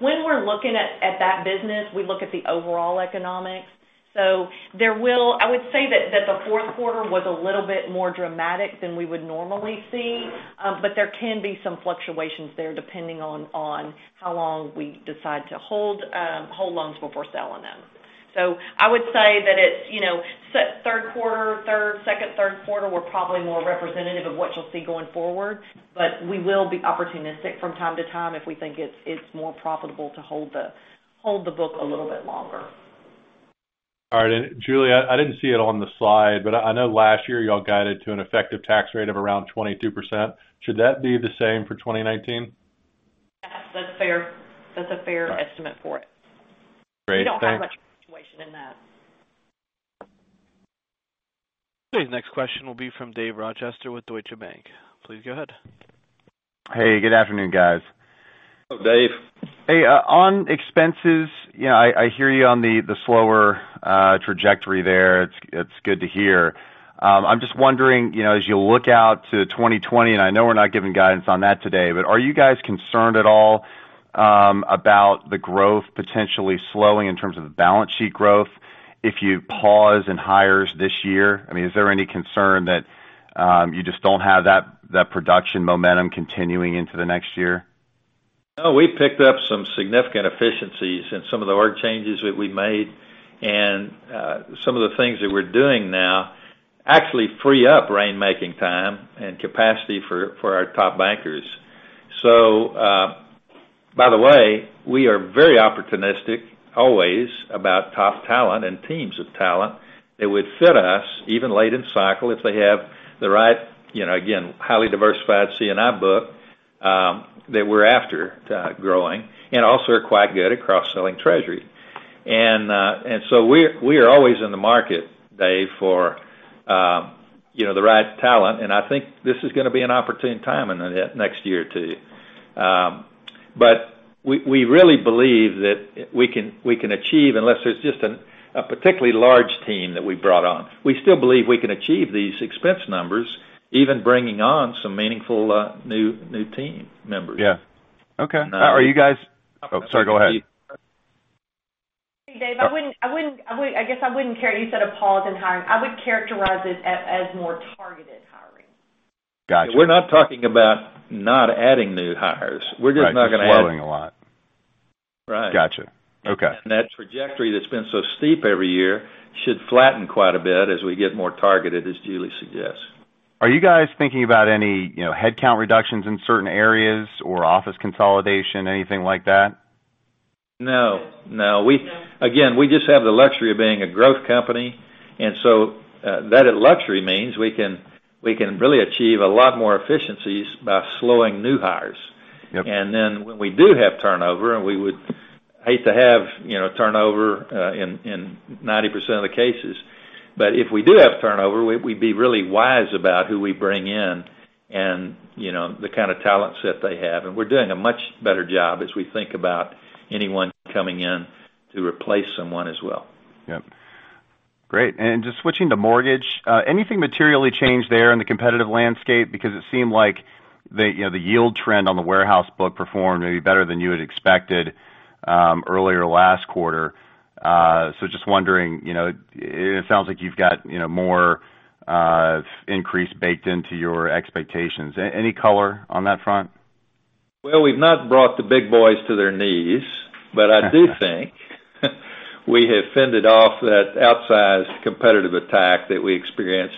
When we're looking at that business, we look at the overall economics. I would say that the fourth quarter was a little bit more dramatic than we would normally see. There can be some fluctuations there depending on how long we decide to hold loans before selling them. I would say that second, third quarter were probably more representative of what you'll see going forward, but we will be opportunistic from time to time if we think it's more profitable to hold the book a little bit longer. All right. Julie, I didn't see it on the slide, but I know last year you all guided to an effective tax rate of around 22%. Should that be the same for 2019? That's a fair estimate for it. Great. Thanks. We don't have much fluctuation in that. Today's next question will be from Dave Rochester with Deutsche Bank. Please go ahead. Hey, good afternoon, guys. Hello, Dave. Hey, on expenses, I hear you on the slower trajectory there. It's good to hear. I'm just wondering, as you look out to 2020, I know we're not giving guidance on that today, are you guys concerned at all about the growth potentially slowing in terms of the balance sheet growth if you pause in hires this year? Is there any concern that you just don't have that production momentum continuing into the next year? No, we picked up some significant efficiencies in some of the org changes that we made. Some of the things that we're doing now actually free up rainmaking time and capacity for our top bankers. By the way, we are very opportunistic, always, about top talent and teams of talent that would fit us even late in cycle if they have the right, again, highly diversified C&I book that we're after growing, and also are quite good at cross-selling Treasury. We are always in the market, Dave, for the right talent, and I think this is going to be an opportune time in the next year or two. We really believe that we can achieve, unless there's just a particularly large team that we brought on, we still believe we can achieve these expense numbers, even bringing on some meaningful new team members. Yeah. Okay. Oh, sorry, go ahead. Dave, you said a pause in hiring. I would characterize it as more targeted hiring. Got you. We're not talking about not adding new hires. Right, just slowing a lot. Right. Got you. Okay. That trajectory that's been so steep every year should flatten quite a bit as we get more targeted, as Julie suggests. Are you guys thinking about any headcount reductions in certain areas or office consolidation, anything like that? No. No. Again, we just have the luxury of being a growth company, that luxury means we can really achieve a lot more efficiencies by slowing new hires. Yep. When we do have turnover, and we would hate to have turnover in 90% of the cases, but if we do have turnover, we'd be really wise about who we bring in and the kind of talent set they have. We're doing a much better job as we think about anyone coming in to replace someone as well. Yep. Great. Just switching to mortgage, anything materially changed there in the competitive landscape? It seemed like the yield trend on the warehouse book performed maybe better than you had expected earlier last quarter. Just wondering, it sounds like you've got more increase baked into your expectations. Any color on that front? Well, we've not brought the big boys to their knees, I do think we have fended off that outsized competitive attack that we experienced.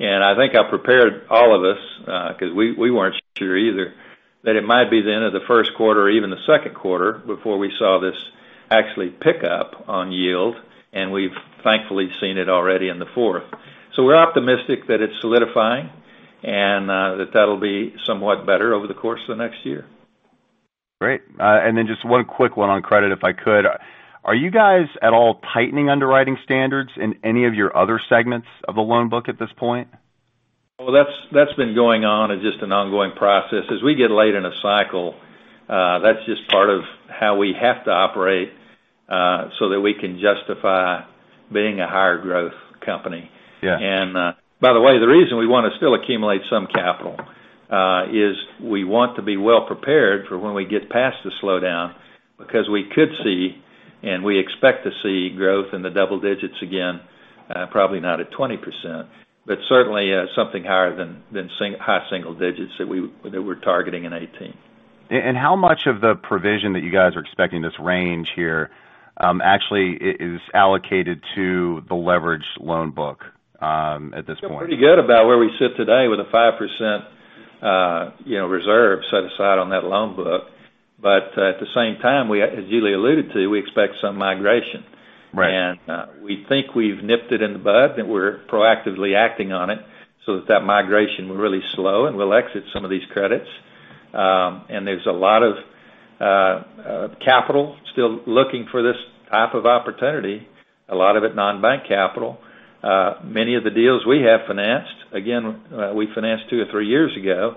I think I prepared all of us, we weren't sure either, that it might be the end of the first quarter or even the second quarter before we saw this actually pick up on yield, and we've thankfully seen it already in the fourth. We're optimistic that it's solidifying and that that'll be somewhat better over the course of the next year. Great. Just one quick one on credit, if I could. Are you guys at all tightening underwriting standards in any of your other segments of the loan book at this point? Well, that's been going on as just an ongoing process. As we get late in a cycle, that's just part of how we have to operate, that we can justify being a higher growth company. Yeah. By the way, the reason we want to still accumulate some capital is we want to be well prepared for when we get past the slowdown, because we could see, and we expect to see growth in the double digits again, probably not at 20%, but certainly something higher than high single digits that we're targeting in 2018. How much of the provision that you guys are expecting this range here actually is allocated to the leverage loan book at this point? Feel pretty good about where we sit today with a 5% reserve set aside on that loan book. At the same time, as Julie alluded to, we expect some migration. Right. We think we've nipped it in the bud, and we're proactively acting on it so that that migration will really slow, and we'll exit some of these credits. There's a lot of capital still looking for this type of opportunity, a lot of it non-bank capital. Many of the deals we have financed, again, we financed two or three years ago,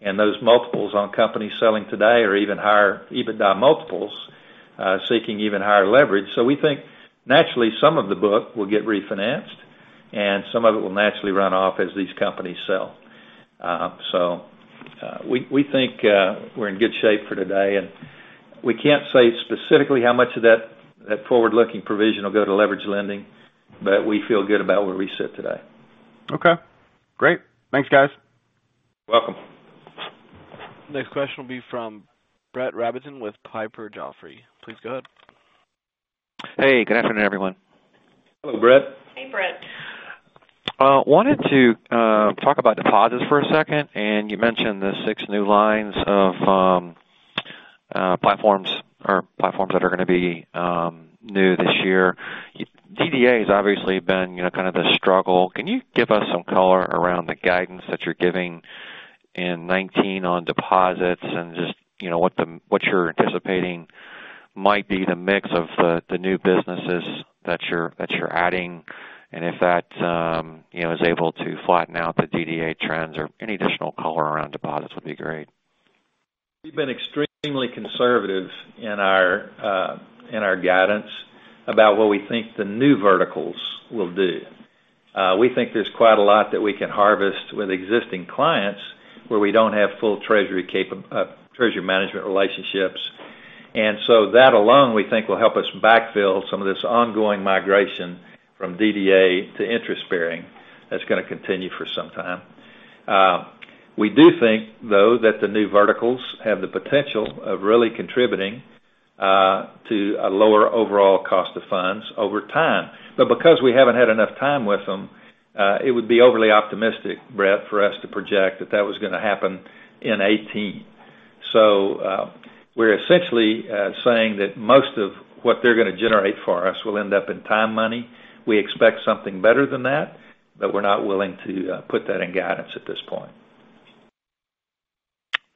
and those multiples on companies selling today are even higher EBITDA multiples, seeking even higher leverage. We think naturally some of the book will get refinanced, and some of it will naturally run off as these companies sell. We think we're in good shape for today, and we can't say specifically how much of that forward-looking provision will go to leverage lending, but we feel good about where we sit today. Okay. Great. Thanks, guys. Welcome. Next question will be from Brett Rabatin with Piper Jaffray. Please go ahead. Hey, good afternoon, everyone. Hello, Brett. Hey, Brett. Wanted to talk about deposits for a second. You mentioned the six new lines of platforms that are going to be new this year. DDA has obviously been kind of a struggle. Can you give us some color around the guidance that you're giving in 2019 on deposits and just what you're anticipating might be the mix of the new businesses that you're adding, and if that is able to flatten out the DDA trends or any additional color around deposits would be great. We've been extremely conservative in our guidance about what we think the new verticals will do. We think there's quite a lot that we can harvest with existing clients where we don't have full Treasury management relationships. That alone, we think will help us backfill some of this ongoing migration from DDA to interest bearing. That's going to continue for some time. We do think, though, that the new verticals have the potential of really contributing to a lower overall cost of funds over time. Because we haven't had enough time with them, it would be overly optimistic, Brett, for us to project that that was going to happen in 2018. We're essentially saying that most of what they're going to generate for us will end up in time money. We expect something better than that, we're not willing to put that in guidance at this point.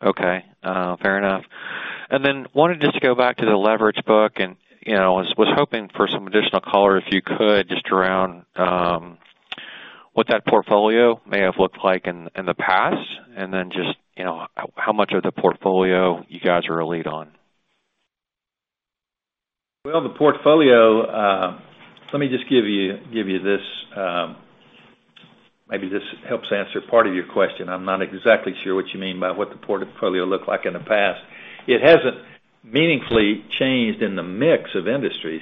Okay. Fair enough. Wanted just to go back to the leverage book and was hoping for some additional color, if you could, just around what that portfolio may have looked like in the past, and then just how much of the portfolio you guys are a lead on. Well, let me just give you this. Maybe this helps answer part of your question. I'm not exactly sure what you mean by what the portfolio looked like in the past. It hasn't meaningfully changed in the mix of industries,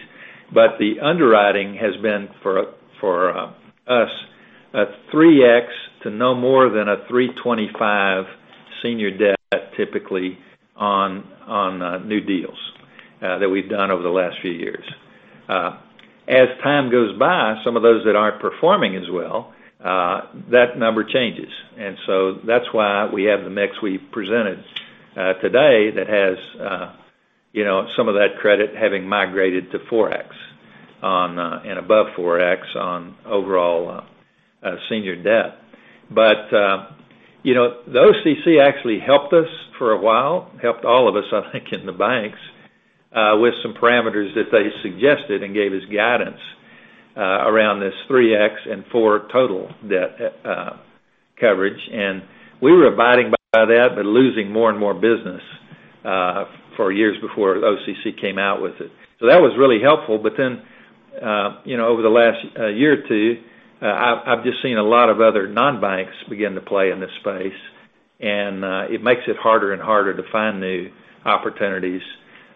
but the underwriting has been, for us, a 3x to no more than a 3.25x senior debt, typically, on new deals that we've done over the last few years. As time goes by, some of those that aren't performing as well, that number changes. That's why we have the mix we presented today that has some of that credit having migrated to 4x and above 4x on overall senior debt. The OCC actually helped us for a while, helped all of us, I think, in the banks, with some parameters that they suggested and gave as guidance around this 3x and 4x total debt coverage. We were abiding by that, but losing more and more business for years before OCC came out with it. That was really helpful. Over the last year or two, I've just seen a lot of other non-banks begin to play in this space, and it makes it harder and harder to find new opportunities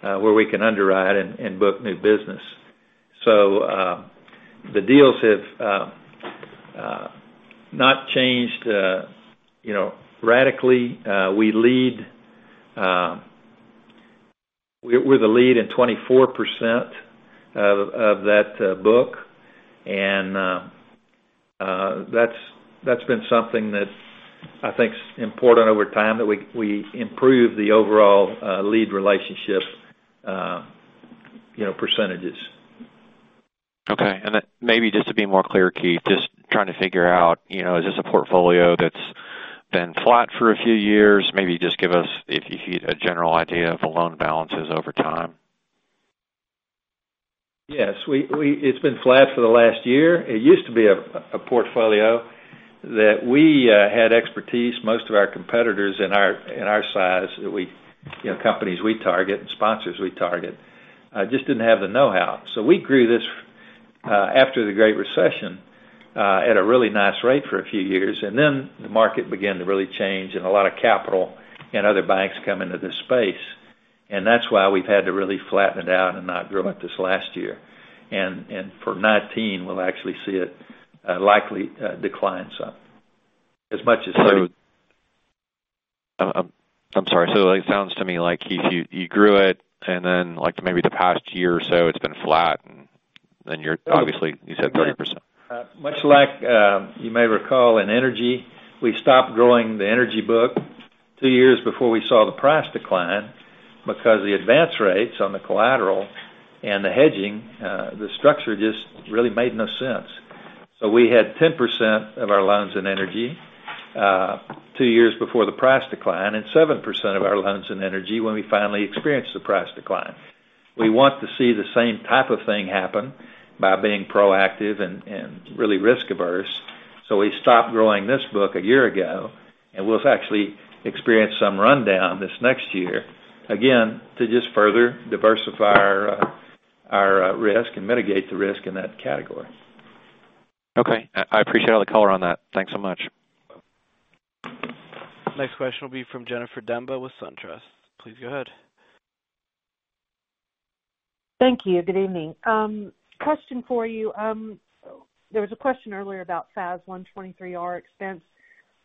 where we can underwrite and book new business. The deals have not changed radically. We're the lead in 24% of that book, and that's been something that I think's important over time, that we improve the overall lead relationship percentages. Okay. Maybe just to be more clear, Keith, just trying to figure out, is this a portfolio that's been flat for a few years? Maybe just give us, if you could, a general idea of the loan balances over time. Yes. It's been flat for the last year. It used to be a portfolio that we had expertise. Most of our competitors in our size, companies we target and sponsors we target, just didn't have the knowhow. We grew this after the Great Recession at a really nice rate for a few years, and then the market began to really change, and a lot of capital and other banks come into this space, and that's why we've had to really flatten it out and not grow it this last year. For 2019, we'll actually see it likely decline some. I'm sorry. It sounds to me like, Keith, you grew it, and then maybe the past year or so, it's been flat, and then you're obviously, you said 30%. Much like you may recall in energy, we stopped growing the energy book two years before we saw the price decline because the advance rates on the collateral and the hedging, the structure just really made no sense. We had 10% of our loans in energy two years before the price decline, and 7% of our loans in energy when we finally experienced the price decline. We want to see the same type of thing happen by being proactive and really risk averse. We stopped growing this book a year ago, and we'll actually experience some rundown this next year, again, to just further diversify our risk and mitigate the risk in that category. Okay. I appreciate all the color on that. Thanks so much. Next question will be from Jennifer Demba with SunTrust. Please go ahead. Thank you. Good evening. Question for you. There was a question earlier about FAS 123R expense.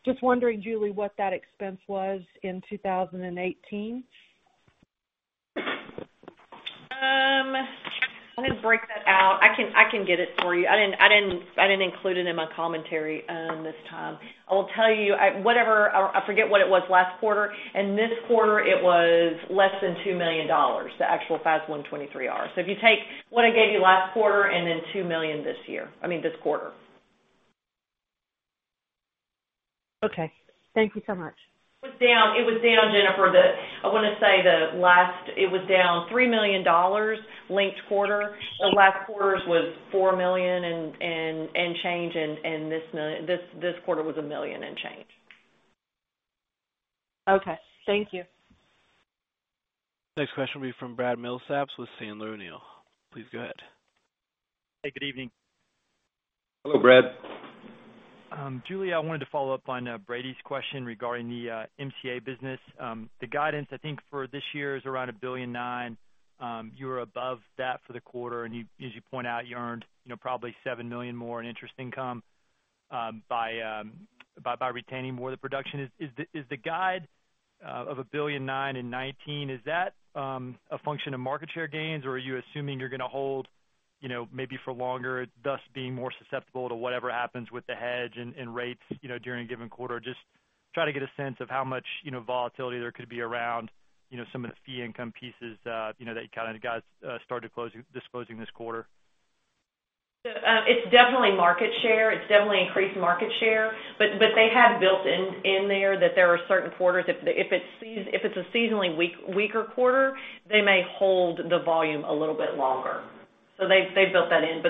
Just wondering, Julie, what that expense was in 2018? I'm going to break that out. I can get it for you. I didn't include it in my commentary this time. I will tell you, I forget what it was last quarter. In this quarter, it was less than $2 million, the actual FAS 123R. If you take what I gave you last quarter and then $2 million this quarter. Okay. Thank you so much. It was down, Jennifer. I want to say it was down $3 million linked quarter. The last quarter's was $4 million and change, this quarter was $1 million and change. Okay. Thank you. Next question will be from Brad Milsaps with Sandler O'Neill. Please go ahead. Hey, good evening. Hello, Brad. Julie, I wanted to follow up on Brady's question regarding the MCA business. The guidance, I think, for this year is around $1.9 billion. You were above that for the quarter, and as you point out, you earned probably $7 million more in interest income by retaining more of the production. Is the guide of $1.9 billion in 2019, is that a function of market share gains, or are you assuming you're going to hold maybe for longer, thus being more susceptible to whatever happens with the hedge and rates during a given quarter? Just try to get a sense of how much volatility there could be around some of the fee income pieces that you guys started disclosing this quarter. It's definitely market share. It's definitely increased market share, they have built in there that there are certain quarters. If it's a seasonally weaker quarter, they may hold the volume a little bit longer. They've built that in.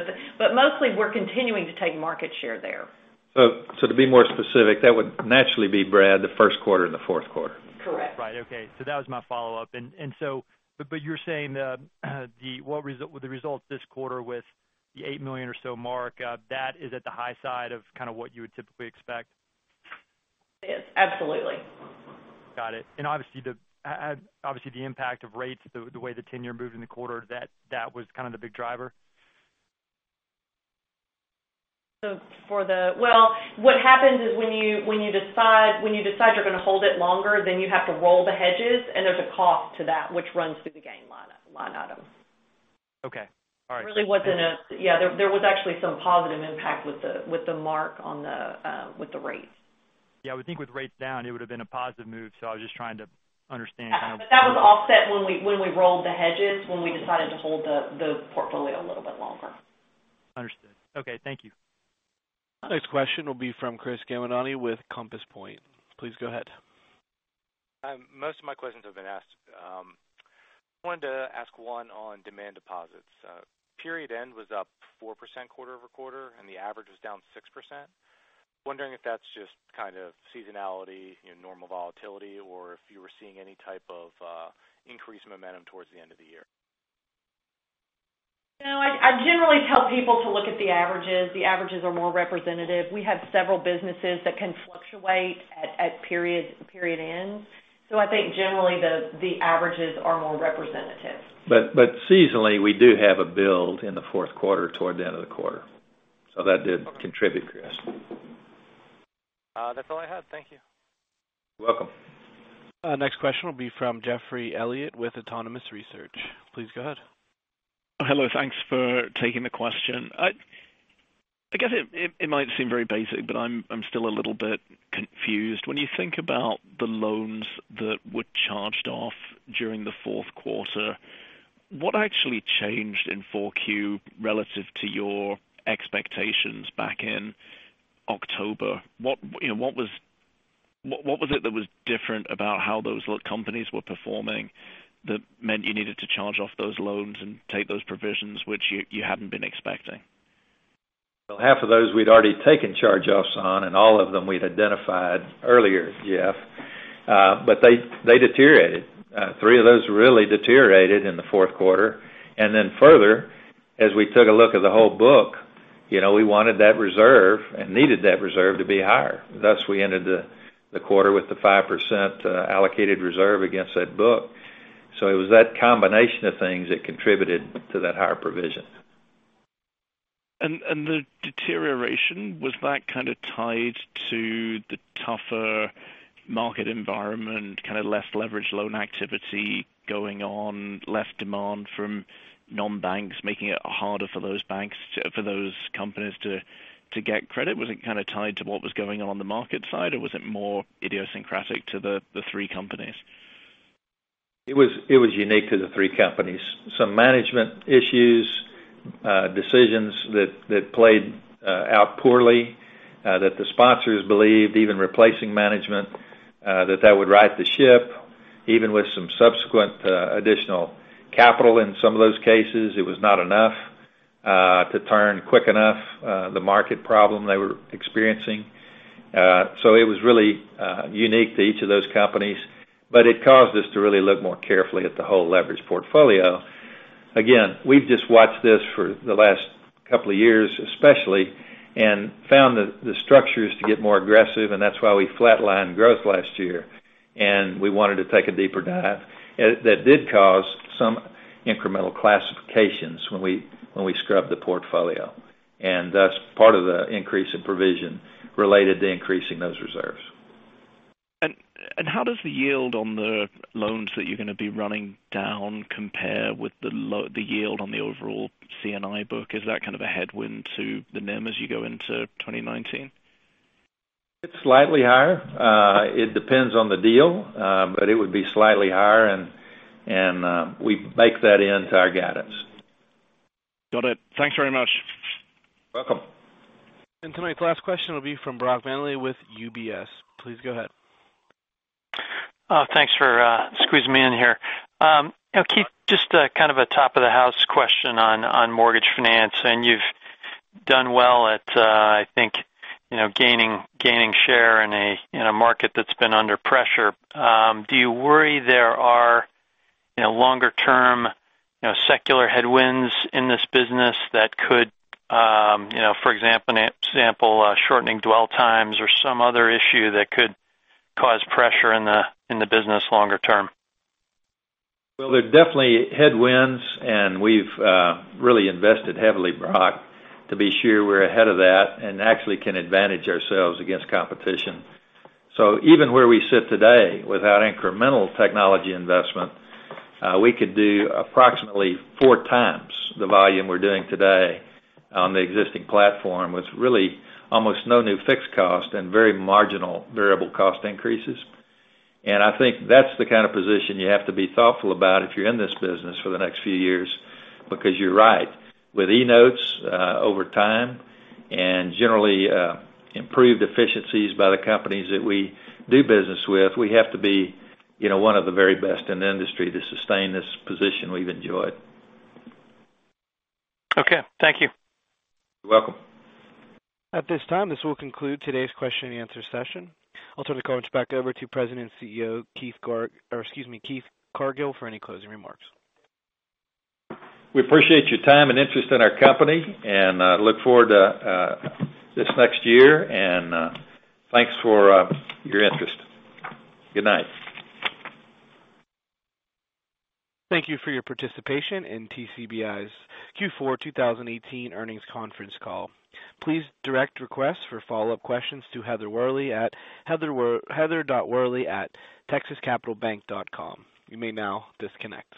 Mostly, we're continuing to take market share there. To be more specific, that would naturally be, Brad, the first quarter and the fourth quarter. Correct. Right. Okay. That was my follow-up. You're saying with the results this quarter with the $8 million or so mark, that is at the high side of kind of what you would typically expect? Yes, absolutely. Got it. Obviously, the impact of rates, the way the 10-year moved in the quarter, that was kind of the big driver. What happens is when you decide you're going to hold it longer, then you have to roll the hedges, and there's a cost to that, which runs through the gain line item. Okay. All right. There was actually some positive impact with the mark with the rates. We think with rates down, it would've been a positive move, so I was just trying to understand. That was offset when we rolled the hedges, when we decided to hold the portfolio a little bit longer. Understood. Okay. Thank you. Next question will be from Chris Gamaitoni with Compass Point. Please go ahead. Most of my questions have been asked. I wanted to ask one on demand deposits. Period end was up 4% quarter-over-quarter, the average was down 6%. Wondering if that's just kind of seasonality, normal volatility, or if you were seeing any type of increased momentum towards the end of the year. No, I generally tell people to look at the averages. The averages are more representative. We have several businesses that can fluctuate at period ends. I think generally, the averages are more representative. Seasonally, we do have a build in the fourth quarter toward the end of the quarter. That did contribute, Chris. That's all I had. Thank you. You're welcome. Next question will be from Geoffrey Elliott with Autonomous Research. Please go ahead. Hello, thanks for taking the question. I guess it might seem very basic, but I'm still a little bit confused. When you think about the loans that were charged off during the fourth quarter, what actually changed in 4Q relative to your expectations back in October? What was it that was different about how those companies were performing that meant you needed to charge off those loans and take those provisions, which you hadn't been expecting? Well, half of those we'd already taken charge offs on, and all of them we'd identified earlier, Geoff. They deteriorated. Three of those really deteriorated in the fourth quarter. Further, as we took a look at the whole book, we wanted that reserve and needed that reserve to be higher. Thus, we ended the quarter with the 5% allocated reserve against that book. It was that combination of things that contributed to that higher provision. The deterioration, was that kind of tied to the tougher market environment, kind of less leverage loan activity going on, less demand from non-banks, making it harder for those companies to get credit? Was it kind of tied to what was going on on the market side, or was it more idiosyncratic to the three companies? It was unique to the three companies. Some management issues, decisions that played out poorly, that the sponsors believed even replacing management, that that would right the ship. Even with some subsequent additional capital in some of those cases, it was not enough to turn quick enough the market problem they were experiencing. It was really unique to each of those companies, but it caused us to really look more carefully at the whole leverage portfolio. Again, we've just watched this for the last couple of years, especially, found the structures to get more aggressive, and that's why we flatlined growth last year. We wanted to take a deeper dive. That did cause some incremental classifications when we scrubbed the portfolio. Thus, part of the increase in provision related to increasing those reserves. How does the yield on the loans that you're going to be running down compare with the yield on the overall C&I book? Is that kind of a headwind to the NIM as you go into 2019? It's slightly higher. It depends on the deal. It would be slightly higher, and we bake that into our guidance. Got it. Thanks very much. Welcome. Tonight's last question will be from Brock Vandervliet with UBS. Please go ahead. Thanks for squeezing me in here. Keith, just a kind of a top of the house question on mortgage finance, you've done well at, I think gaining share in a market that's been under pressure. Do you worry there are longer-term secular headwinds in this business that could, for example, shortening dwell times or some other issue that could cause pressure in the business longer term? Well, there are definitely headwinds, we've really invested heavily, Brock, to be sure we're ahead of that and actually can advantage ourselves against competition. Even where we sit today, without incremental technology investment, we could do approximately 4x the volume we're doing today on the existing platform with really almost no new fixed cost and very marginal variable cost increases. I think that's the kind of position you have to be thoughtful about if you're in this business for the next few years, because you're right. With eNotes over time and generally improved efficiencies by the companies that we do business with, we have to be one of the very best in the industry to sustain this position we've enjoyed. Okay. Thank you. You're welcome. At this time, this will conclude today's question and answer session. I'll turn the conference back over to President and CEO, Keith Cargill, for any closing remarks. We appreciate your time and interest in our company, and look forward to this next year. Thanks for your interest. Good night. Thank you for your participation in TCBI's Q4 2018 earnings conference call. Please direct requests for follow-up questions to Heather Worley at heather.worley@texascapitalbank.com. You may now disconnect.